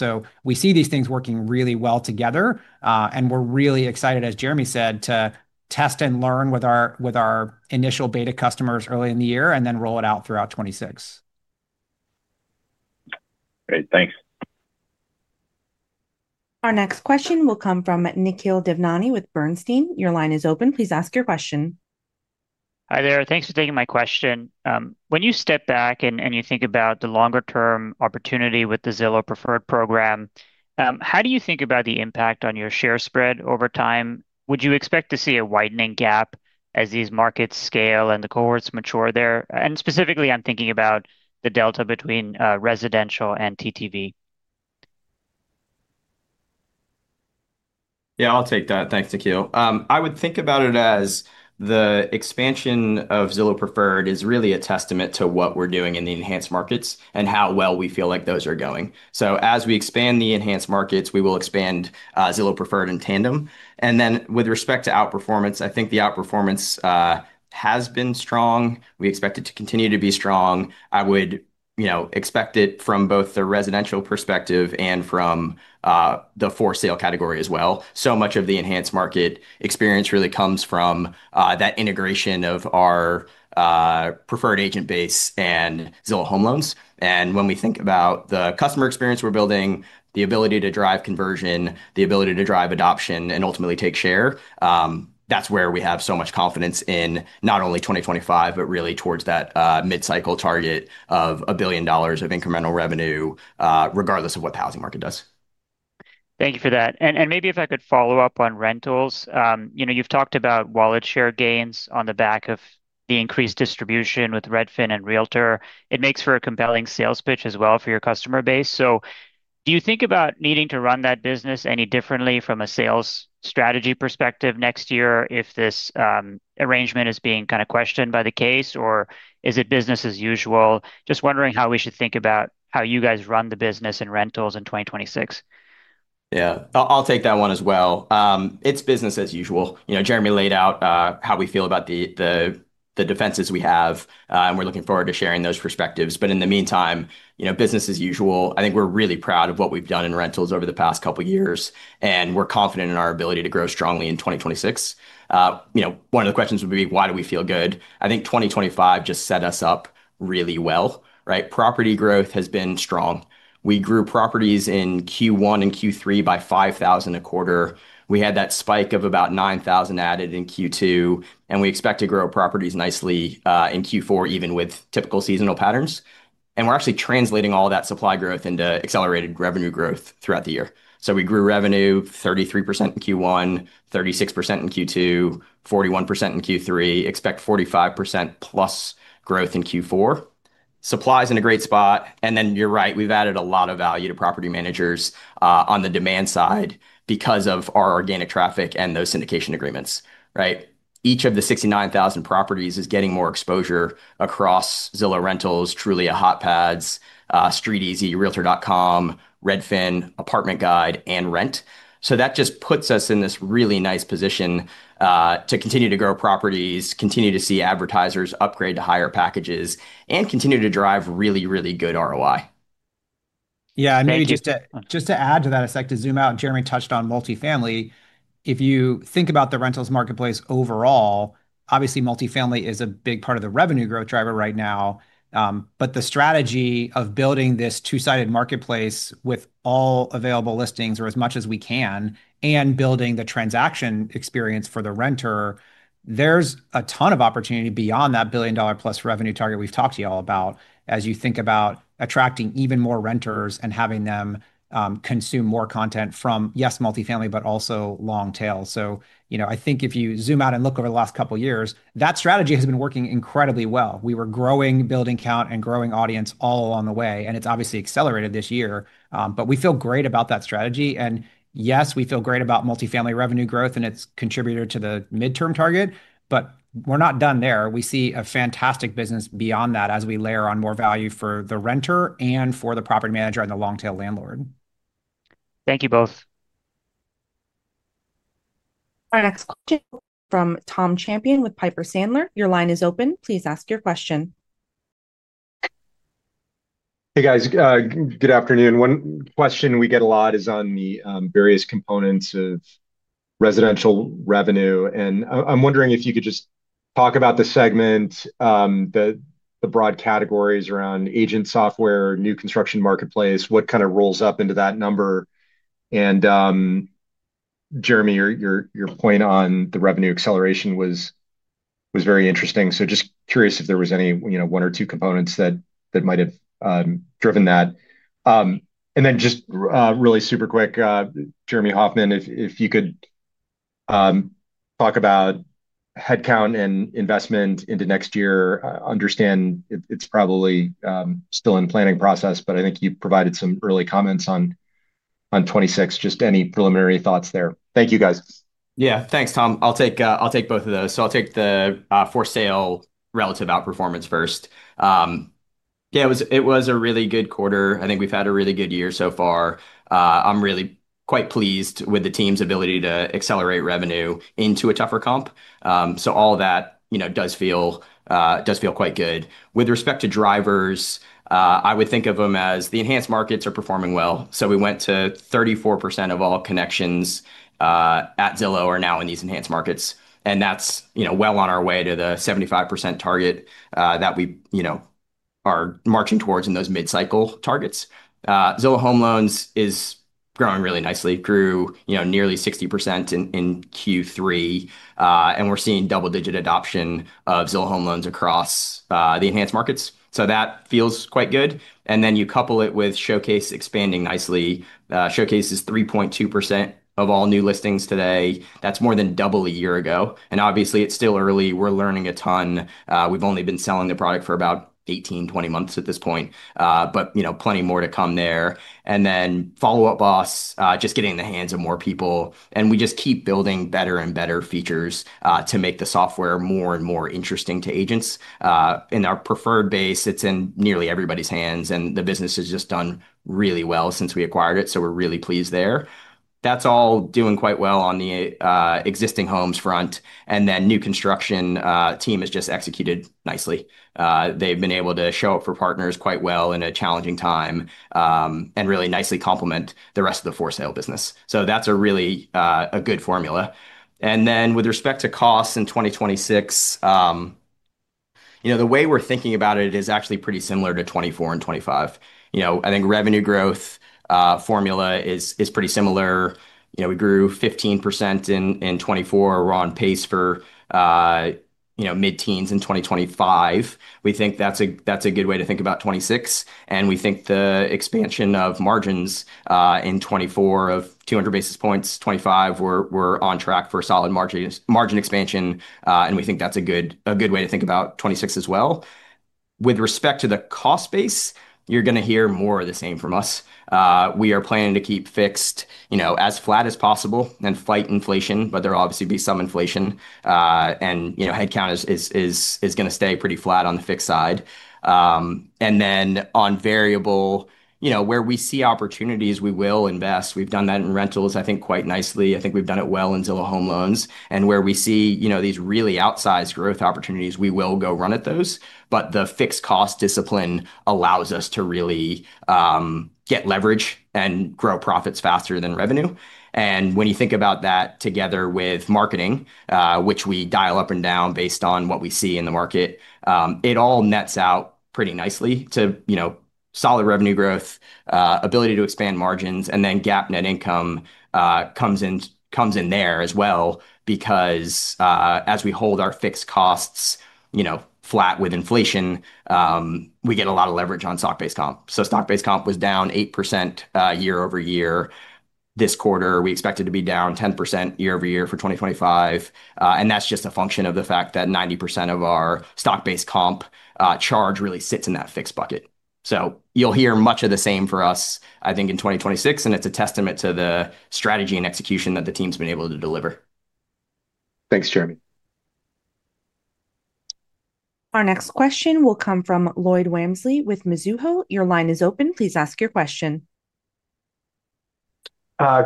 B: We see these things working really well together. We're really excited, as Jeremy said, to test and learn with our initial beta customers early in the year and then roll it out throughout 2026.
F: Great, thanks.
A: Our next question will come from Nikhil Devnani with Bernstein. Your line is open. Please ask your question.
G: Hi there. Thanks for taking my question. When you step back and you think about the longer-term opportunity with the Zillow Preferred program, how do you think about the impact on your share spread over time? Would you expect to see a widening gap as these markets scale and the cohorts mature there? Specifically, I'm thinking about the delta between residential and TTV.
C: Yeah, I'll take that. Thanks, Nikhil. I would think about it as the expansion of Zillow Preferred is really a testament to what we're doing in the enhanced markets and how well we feel like those are going. As we expand the enhanced markets, we will expand Zillow Preferred in tandem. With respect to outperformance, I think the outperformance has been strong. We expect it to continue to be strong. I would expect it from both the residential perspective and from the for sale category as well. Much of the enhanced market experience really comes from that integration of our Preferred agent base and Zillow Home Loans. When we think about the customer experience we're building, the ability to drive conversion, the ability to drive adoption, and ultimately take share, that's where we have so much confidence in not only 2025, but really towards that mid-cycle target of $1 billion of incremental revenue, regardless of what the housing market does. Thank you for that. Maybe if I could follow up on rentals, you've talked about wallet share gains on the back of the increased distribution with Redfin and Realtor.com. It makes for a compelling sales pitch as well for your customer base. Do you think about needing to run that business any differently from a sales strategy perspective next year if this arrangement is being kind of questioned by the case, or is it business as usual? Just wondering how we should think about how you guys run the business and rentals in 2026. I'll take that one as well. It's business as usual. Jeremy laid out how we feel about the defenses we have, and we're looking forward to sharing those perspectives. In the meantime, business as usual. I think we're really proud of what we've done in rentals over the past couple of years, and we're confident in our ability to grow strongly in 2026. One of the questions would be, why do we feel good? I think 2025 just set us up really well, right? Property growth has been strong. We grew properties in Q1 and Q3 by 5,000 a quarter. We had that spike of about 9,000 added in Q2, and we expect to grow properties nicely in Q4, even with typical seasonal patterns. We're actually translating all that supply growth into accelerated revenue growth throughout the year. We grew revenue 33% in Q1, 36% in Q2, 41% in Q3, and expect 45%+ growth in Q4. Supply is in a great spot. You're right, we've added a lot of value to property managers on the demand side because of our organic traffic and those syndication agreements. Each of the 69,000 properties is getting more exposure across Zillow Rentals, Trulia, HotPads, StreetEasy, Realtor.com, Redfin, Apartment Guide, and Rent. That just puts us in this really nice position to continue to grow properties, continue to see advertisers upgrade to higher packages, and continue to drive really, really good ROI.
B: Maybe just to add to that, I'd like to zoom out. Jeremy touched on multifamily. If you think about the rentals marketplace overall, obviously multifamily is a big part of the revenue growth driver right now. The strategy of building this two-sided marketplace with all available listings, or as much as we can, and building the transaction experience for the renter, there's a ton of opportunity beyond that $1 billion-plus revenue target we've talked to you all about as you think about attracting even more renters and having them consume more content from, yes, multifamily, but also long tails. I think if you zoom out and look over the last couple of years, that strategy has been working incredibly well. We were growing building count and growing audience all along the way, and it's obviously accelerated this year. We feel great about that strategy. Yes, we feel great about multifamily revenue growth, and it's contributed to the mid-cycle goals. We're not done there. We see a fantastic business beyond that as we layer on more value for the renter and for the property manager and the long-tail landlord.
G: Thank you both.
A: Our next question will be from Tom Champion with Piper Sandler. Your line is open. Please ask your question.
H: Hey guys, good afternoon. One question we get a lot is on the various components of residential revenue. I'm wondering if you could just talk about the segment, the broad categories around agent software, new construction marketplace, what kind of rolls up into that number. Jeremy, your point on the revenue acceleration was very interesting. Just curious if there was any one or two components that might have driven that. Really super quick, Jeremy Hofmann, if you could talk about headcount and investment into next year. I understand it's probably still in planning process, but I think you provided some early comments on 2026, just any preliminary thoughts there. Thank you guys.
C: Yeah, thanks, Tom. I'll take both of those. I'll take the for sale relative outperformance first. It was a really good quarter. I think we've had a really good year so far. I'm really quite pleased with the team's ability to accelerate revenue into a tougher comp. All that does feel quite good. With respect to drivers, I would think of them as the enhanced markets are performing well. We went to 34% of all connections at Zillow are now in these enhanced markets, and that's well on our way to the 75% target that we are marching towards in those mid-cycle targets. Zillow Home Loans is growing really nicely, grew nearly 60% in Q3, and we're seeing double-digit adoption of Zillow Home Loans across the enhanced markets. That feels quite good. You couple it with Showcase expanding nicely. Showcase is 3.2% of all new listings today, that's more than double a year ago, and obviously, it's still early. We're learning a ton. We've only been selling the product for about 18, 20 months at this point, but plenty more to come there. Follow Up Boss is just getting in the hands of more people, and we just keep building better and better features to make the software more and more interesting to agents. In our preferred base, it's in nearly everybody's hands, and the business has just done really well since we acquired it. We're really pleased there. That's all doing quite well on the existing homes front. The new construction team has just executed nicely. They've been able to show up for partners quite well in a challenging time and really nicely complement the rest of the for sale business. That's a really good formula. With respect to costs in 2026, the way we're thinking about it is actually pretty similar to 2024 and 2025. I think revenue growth formula is pretty similar. We grew 15% in 2024. We're on pace for mid-teens in 2025. We think that's a good way to think about 2026, and we think the expansion of margins in 2024 of 200 basis points, 2025, we're on track for solid margin expansion, and we think that's a good way to think about 2026 as well. With respect to the cost base, you're going to hear more of the same from us. We are planning to keep fixed as flat as possible and fight inflation, but there will obviously be some inflation. Headcount is going to stay pretty flat on the fixed side, and then on variable, where we see opportunities, we will invest. We've done that in rentals, I think, quite nicely. I think we've done it well in Zillow Home Loans, and where we see these really outsized growth opportunities, we will go run at those. The fixed cost discipline allows us to really get leverage and grow profits faster than revenue. When you think about that together with marketing, which we dial up and down based on what we see in the market, it all nets out pretty nicely to solid revenue growth, ability to expand margins, and then GAAP net income comes in there as well because as we hold our fixed costs flat with inflation, we get a lot of leverage on stock-based comp. Stock-based comp was down 8% year-over-year this quarter. We expect it to be down 10% year-over-year for 2025. That's just a function of the fact that 90% of our stock-based comp charge really sits in that fixed bucket. You'll hear much of the same for us, I think, in 2026. It 's a testament to the strategy and execution that the team's been able to deliver.
A: Thanks, Jeremy. Our next question will come from Lloyd Wamsley with Mizuho. Your line is open.
I: Please ask your question.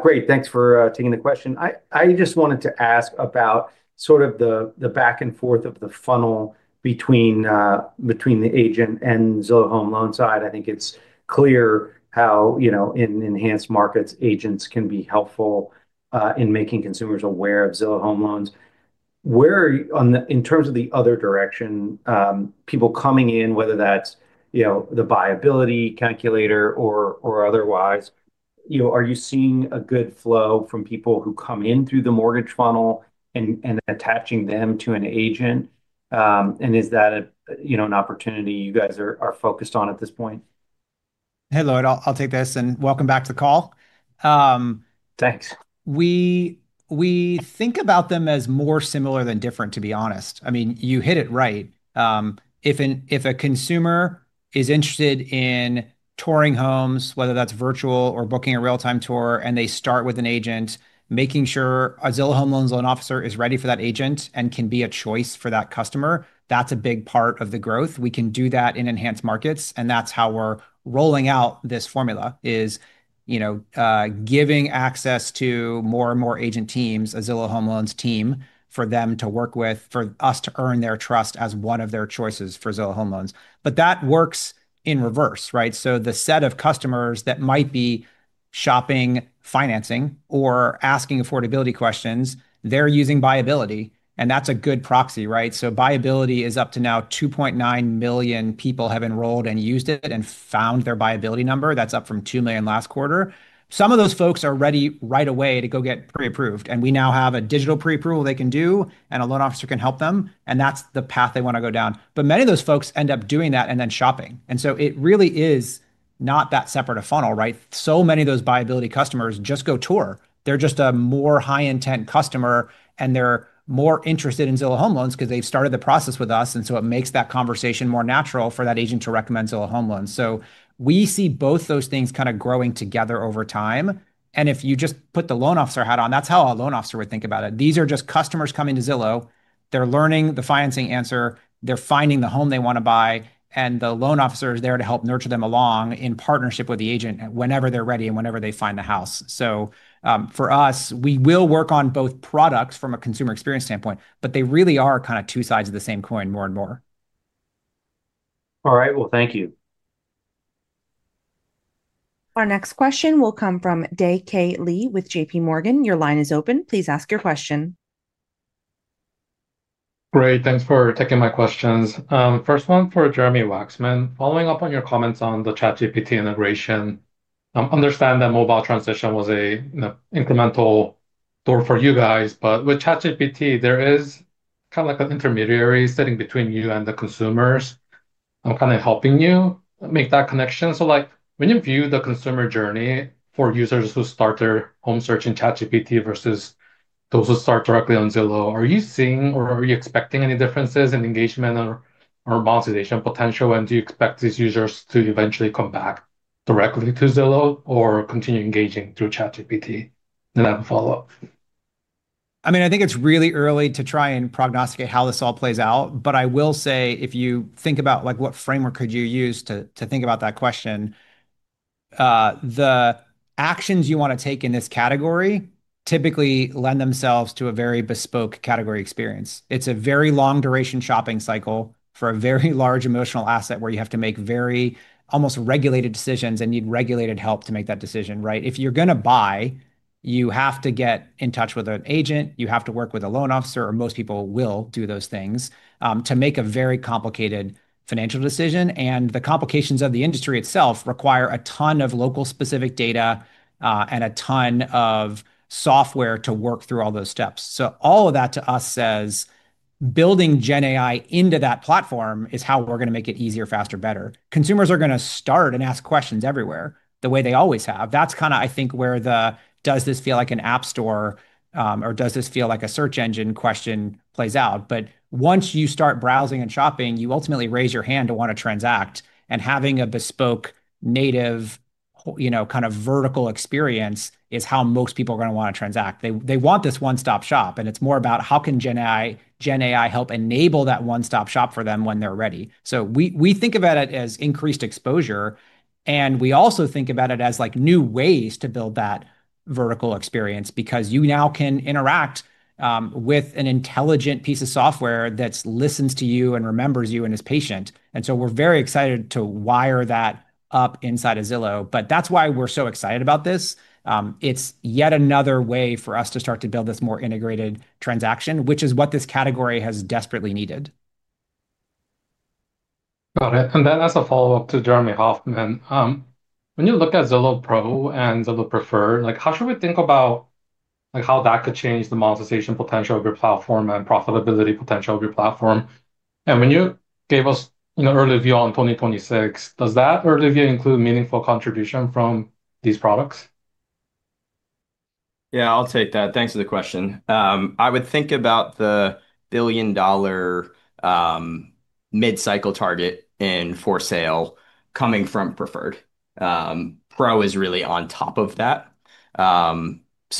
I: Great. Thanks for taking the question. I just wanted to ask about sort of the back and forth of the funnel between the agent and Zillow Home Loan side. I think it's clear how, in enhanced markets, agents can be helpful in making consumers aware of Zillow Home Loans. Where, in terms of the other direction, people coming in, whether that's the buyability calculator or otherwise, are you seeing a good flow from people who come in through the mortgage funnel and attaching them to an agent? Is that an opportunity you guys are focused on at this point?
B: Hey, Lloyd, I'll take this and welcome back to the call.
I: Thanks.
B: We think about them as more similar than different, to be honest. You hit it right. If a consumer is interested in touring homes, whether that's virtual or booking a real-time tour, and they start with an agent, making sure a Zillow Home Loans loan officer is ready for that agent and can be a choice for that customer, that's a big part of the growth. We can do that in enhanced markets. That's how we're rolling out this formula, giving access to more and more agent teams, a Zillow Home Loans team for them to work with, for us to earn their trust as one of their choices for Zillow Home Loans. That works in reverse, right? The set of customers that might be shopping, financing, or asking affordability questions, they're using buyability. That's a good proxy, right? Buyability is up to now 2.9 million people have enrolled and used it and found their buyability number. That's up from 2 million last quarter. Some of those folks are ready right away to go get pre-approved. We now have a digital pre-approval they can do, and a loan officer can help them. That's the path they want to go down. Many of those folks end up doing that and then shopping. It really is not that separate a funnel, right? Many of those buyability customers just go tour. They're just a more high-intent customer, and they're more interested in Zillow Home Loans because they've started the process with us. It makes that conversation more natural for that agent to recommend Zillow Home Loans. We see both those things kind of growing together over time. If you just put the loan officer hat on, that's how a loan officer would think about it. These are just customers coming to Zillow. They're learning the financing answer. They're finding the home they want to buy. The loan officer is there to help nurture them along in partnership with the agent whenever they're ready and whenever they find the house. For us, we will work on both products from a consumer experience standpoint, but they really are kind of two sides of the same coin more and more.
I: Thank you.
A: Our next question will come from Day K. Lee with JPMorgan. Your line is open. Please ask your question.
J: Great. Thanks for taking my questions. First one for Jeremy Wacksman. Following up on your comments on the ChatGPT integration. I understand that mobile transition was an incremental door for you guys, but with ChatGPT, there is kind of like an intermediary sitting between you and the consumers. I'm kind of helping you make that connection. When you view the consumer journey for users who start their home search in ChatGPT versus those who start directly on Zillow, are you seeing or are you expecting any differences in engagement or monetization potential? Do you expect these users to eventually come back directly to Zillow or continue engaging through ChatGPT an i will folow up.
B: I think it's really early to try and prognosticate how this all plays out. If you think about what framework could you use to think about that question, the actions you want to take in this category typically lend themselves to a very bespoke category experience. It's a very long-duration shopping cycle for a very large emotional asset where you have to make very almost regulated decisions and need regulated help to make that decision, right? If you're going to buy, you have to get in touch with an agent. You have to work with a loan officer, or most people will do those things to make a very complicated financial decision. The complications of the industry itself require a ton of local specific data and a ton of software to work through all those steps. All of that to us says building GenAI into that platform is how we're going to make it easier, faster, better. Consumers are going to start and ask questions everywhere the way they always have. That's kind of, I think, where the does this feel like an app store or does this feel like a search engine question plays out. Once you start browsing and shopping, you ultimately raise your hand to want to transact. Having a bespoke native, you know, kind of vertical experience is how most people are going to want to transact. They want this one-stop shop. It's more about how can GenAI help enable that one-stop shop for them when they're ready. We think of it as increased exposure. We also think about it as like new ways to build that vertical experience because you now can interact with an intelligent piece of software that listens to you and remembers you and is patient. We're very excited to wire that up inside of Zillow. That's why we're so excited about this. It's yet another way for us to start to build this more integrated transaction, which is what this category has desperately needed.
J: Got it. As a follow-up to Jeremy Hofmann, when you look at Zillow Pro and Zillow Preferred, like how should we think about how that could change the monetization potential of your platform and profitability potential of your platform? When you gave us an early view on 2026, does that early view include meaningful contribution from these products?
C: Yeah, I'll take that. Thanks for the question. I would think about the billion-dollar mid-cycle target in for sale coming from Preferred. Pro is really on top of that.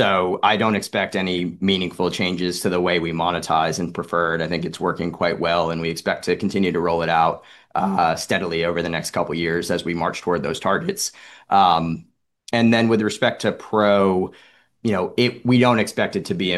C: I don't expect any meaningful changes to the way we monetize in Preferred. I think it's working quite well, and we expect to continue to roll it out steadily over the next couple of years as we march toward those targets. With respect to Pro, we do not expect it to be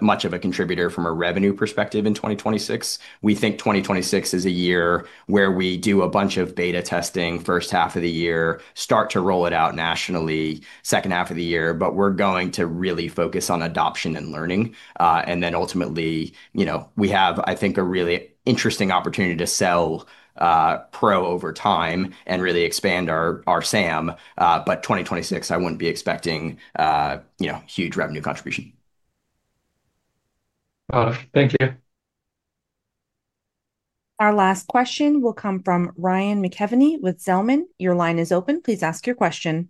C: much of a contributor from a revenue perspective in 2026. We think 2026 is a year where we do a bunch of beta testing in the first half of the year and start to roll it out nationally in the second half of the year. We are going to really focus on adoption and learning. Ultimately, we have, I think, a really interesting opportunity to sell Pro over time and really expand our SAM. In 2026, I would not be expecting huge revenue contribution.
J: Thank you.
A: Our last question will come from Ryan McKeveny with Zellman. Your line is open. Please ask your question.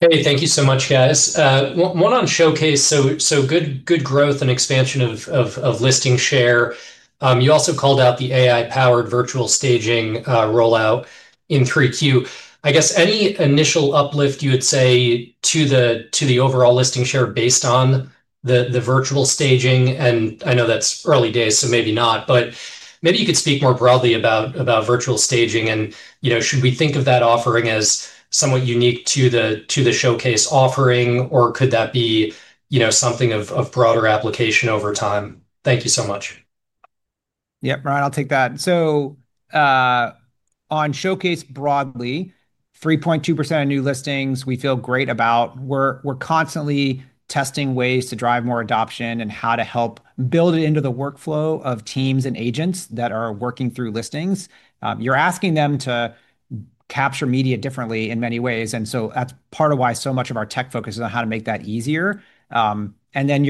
K: Thank you so much, guys. One on Showcase. Good growth and expansion of listing share. You also called out the AI-powered virtual staging rollout in Q3. Any initial uplift you would say to the overall listing share based on the virtual staging? I know that is early days, so maybe not, but maybe you could speak more broadly about virtual staging. Should we think of that offering as somewhat unique to the Showcase offering, or could that be something of broader application over time? Thank you so much.
B: Yes, Ryan, I will take that. On Showcase broadly, 3.2% of new listings we feel great about. We are constantly testing ways to drive more adoption and how to help build it into the workflow of teams and agents that are working through listings. You are asking them to capture media differently in many ways, and that is part of why so much of our tech focus is on how to make that easier. You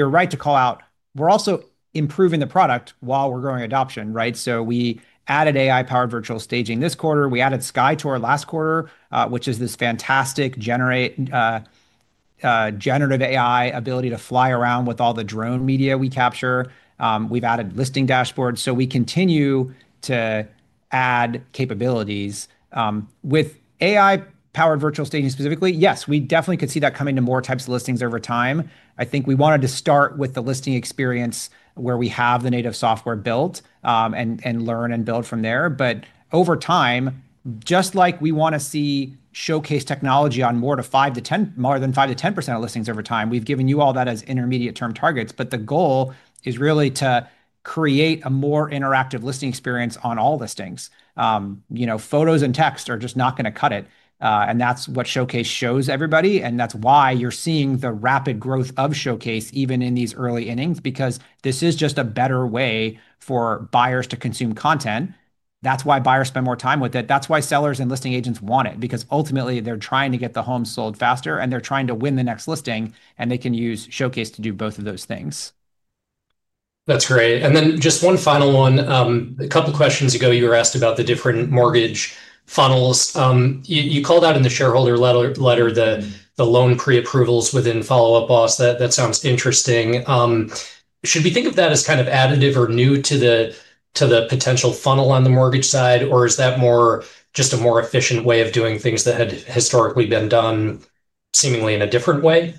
B: are right to call out, we are also improving the product while we are growing adoption. We added AI-powered virtual staging this quarter. We added Sky to our last quarter, which is this fantastic generative AI ability to fly around with all the drone media we capture. We have added listing dashboards. We continue to add capabilities. With AI-powered virtual staging specifically, yes, we definitely could see that coming to more types of listings over time. I think we wanted to start with the listing experience where we have the native software built and learn and build from there. Over time, just like we want to see Showcase technology on more than 5%-10% of listings over time, we have given you all that as intermediate-term targets. The goal is really to create a more interactive listing experience on all listings. You know, photos and text are just not going to cut it. That is what Showcase shows everybody. That is why you are seeing the rapid growth of Showcase even in these early innings, because this is just a better way for buyers to consume content. That is why buyers spend more time with it. That is why sellers and listing agents want it, because ultimately they are trying to get the homes sold faster, and they are trying to win the next listing, and they can use Showcase to do both of those things.
K: That is great. Just one final one. A couple of questions ago, you were asked about the different mortgage funnels. You called out in the shareholder letter the loan pre-approvals within Follow Up Boss. That sounds interesting. Should we think of that as kind of additive or new to the potential funnel on the mortgage side, or is that more just a more efficient way of doing things that had historically been done seemingly in a different way?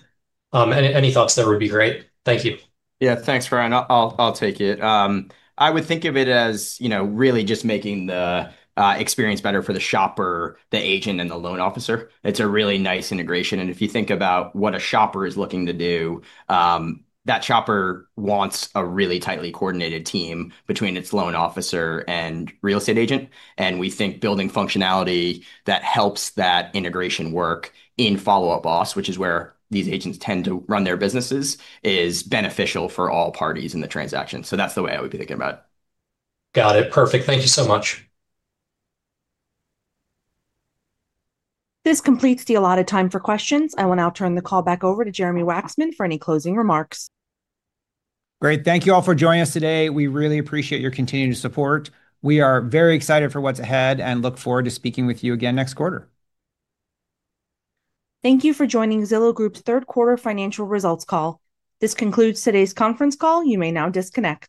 K: Any thoughts there would be great. Thank you.
C: Yeah, thanks, Ryan. I will take it. I would think of it as really just making the experience better for the shopper, the agent, and the loan officer. It is a really nice integration. If you think about what a shopper is looking to do, that shopper wants a really tightly coordinated team between its loan officer and real estate agent. We think building functionality that helps that integration work in Follow Up Boss, which is where these agents tend to run their businesses, is beneficial for all parties in the transaction. That is the way I would be thinking about it.
K: Got it. Perfect. Thank you so much.
A: This completes the allotted time for questions. I will now turn the call back over to Jeremy Wacksman for any closing remarks.
B: Great. Thank you all for joining us today. We really appreciate your continued support. We are very excited for what is ahead and look forward to speaking with you again next quarter.
A: Thank you for joining Zillow Group's third quarter financial results call. This concludes today's conference call. You may now disconnect.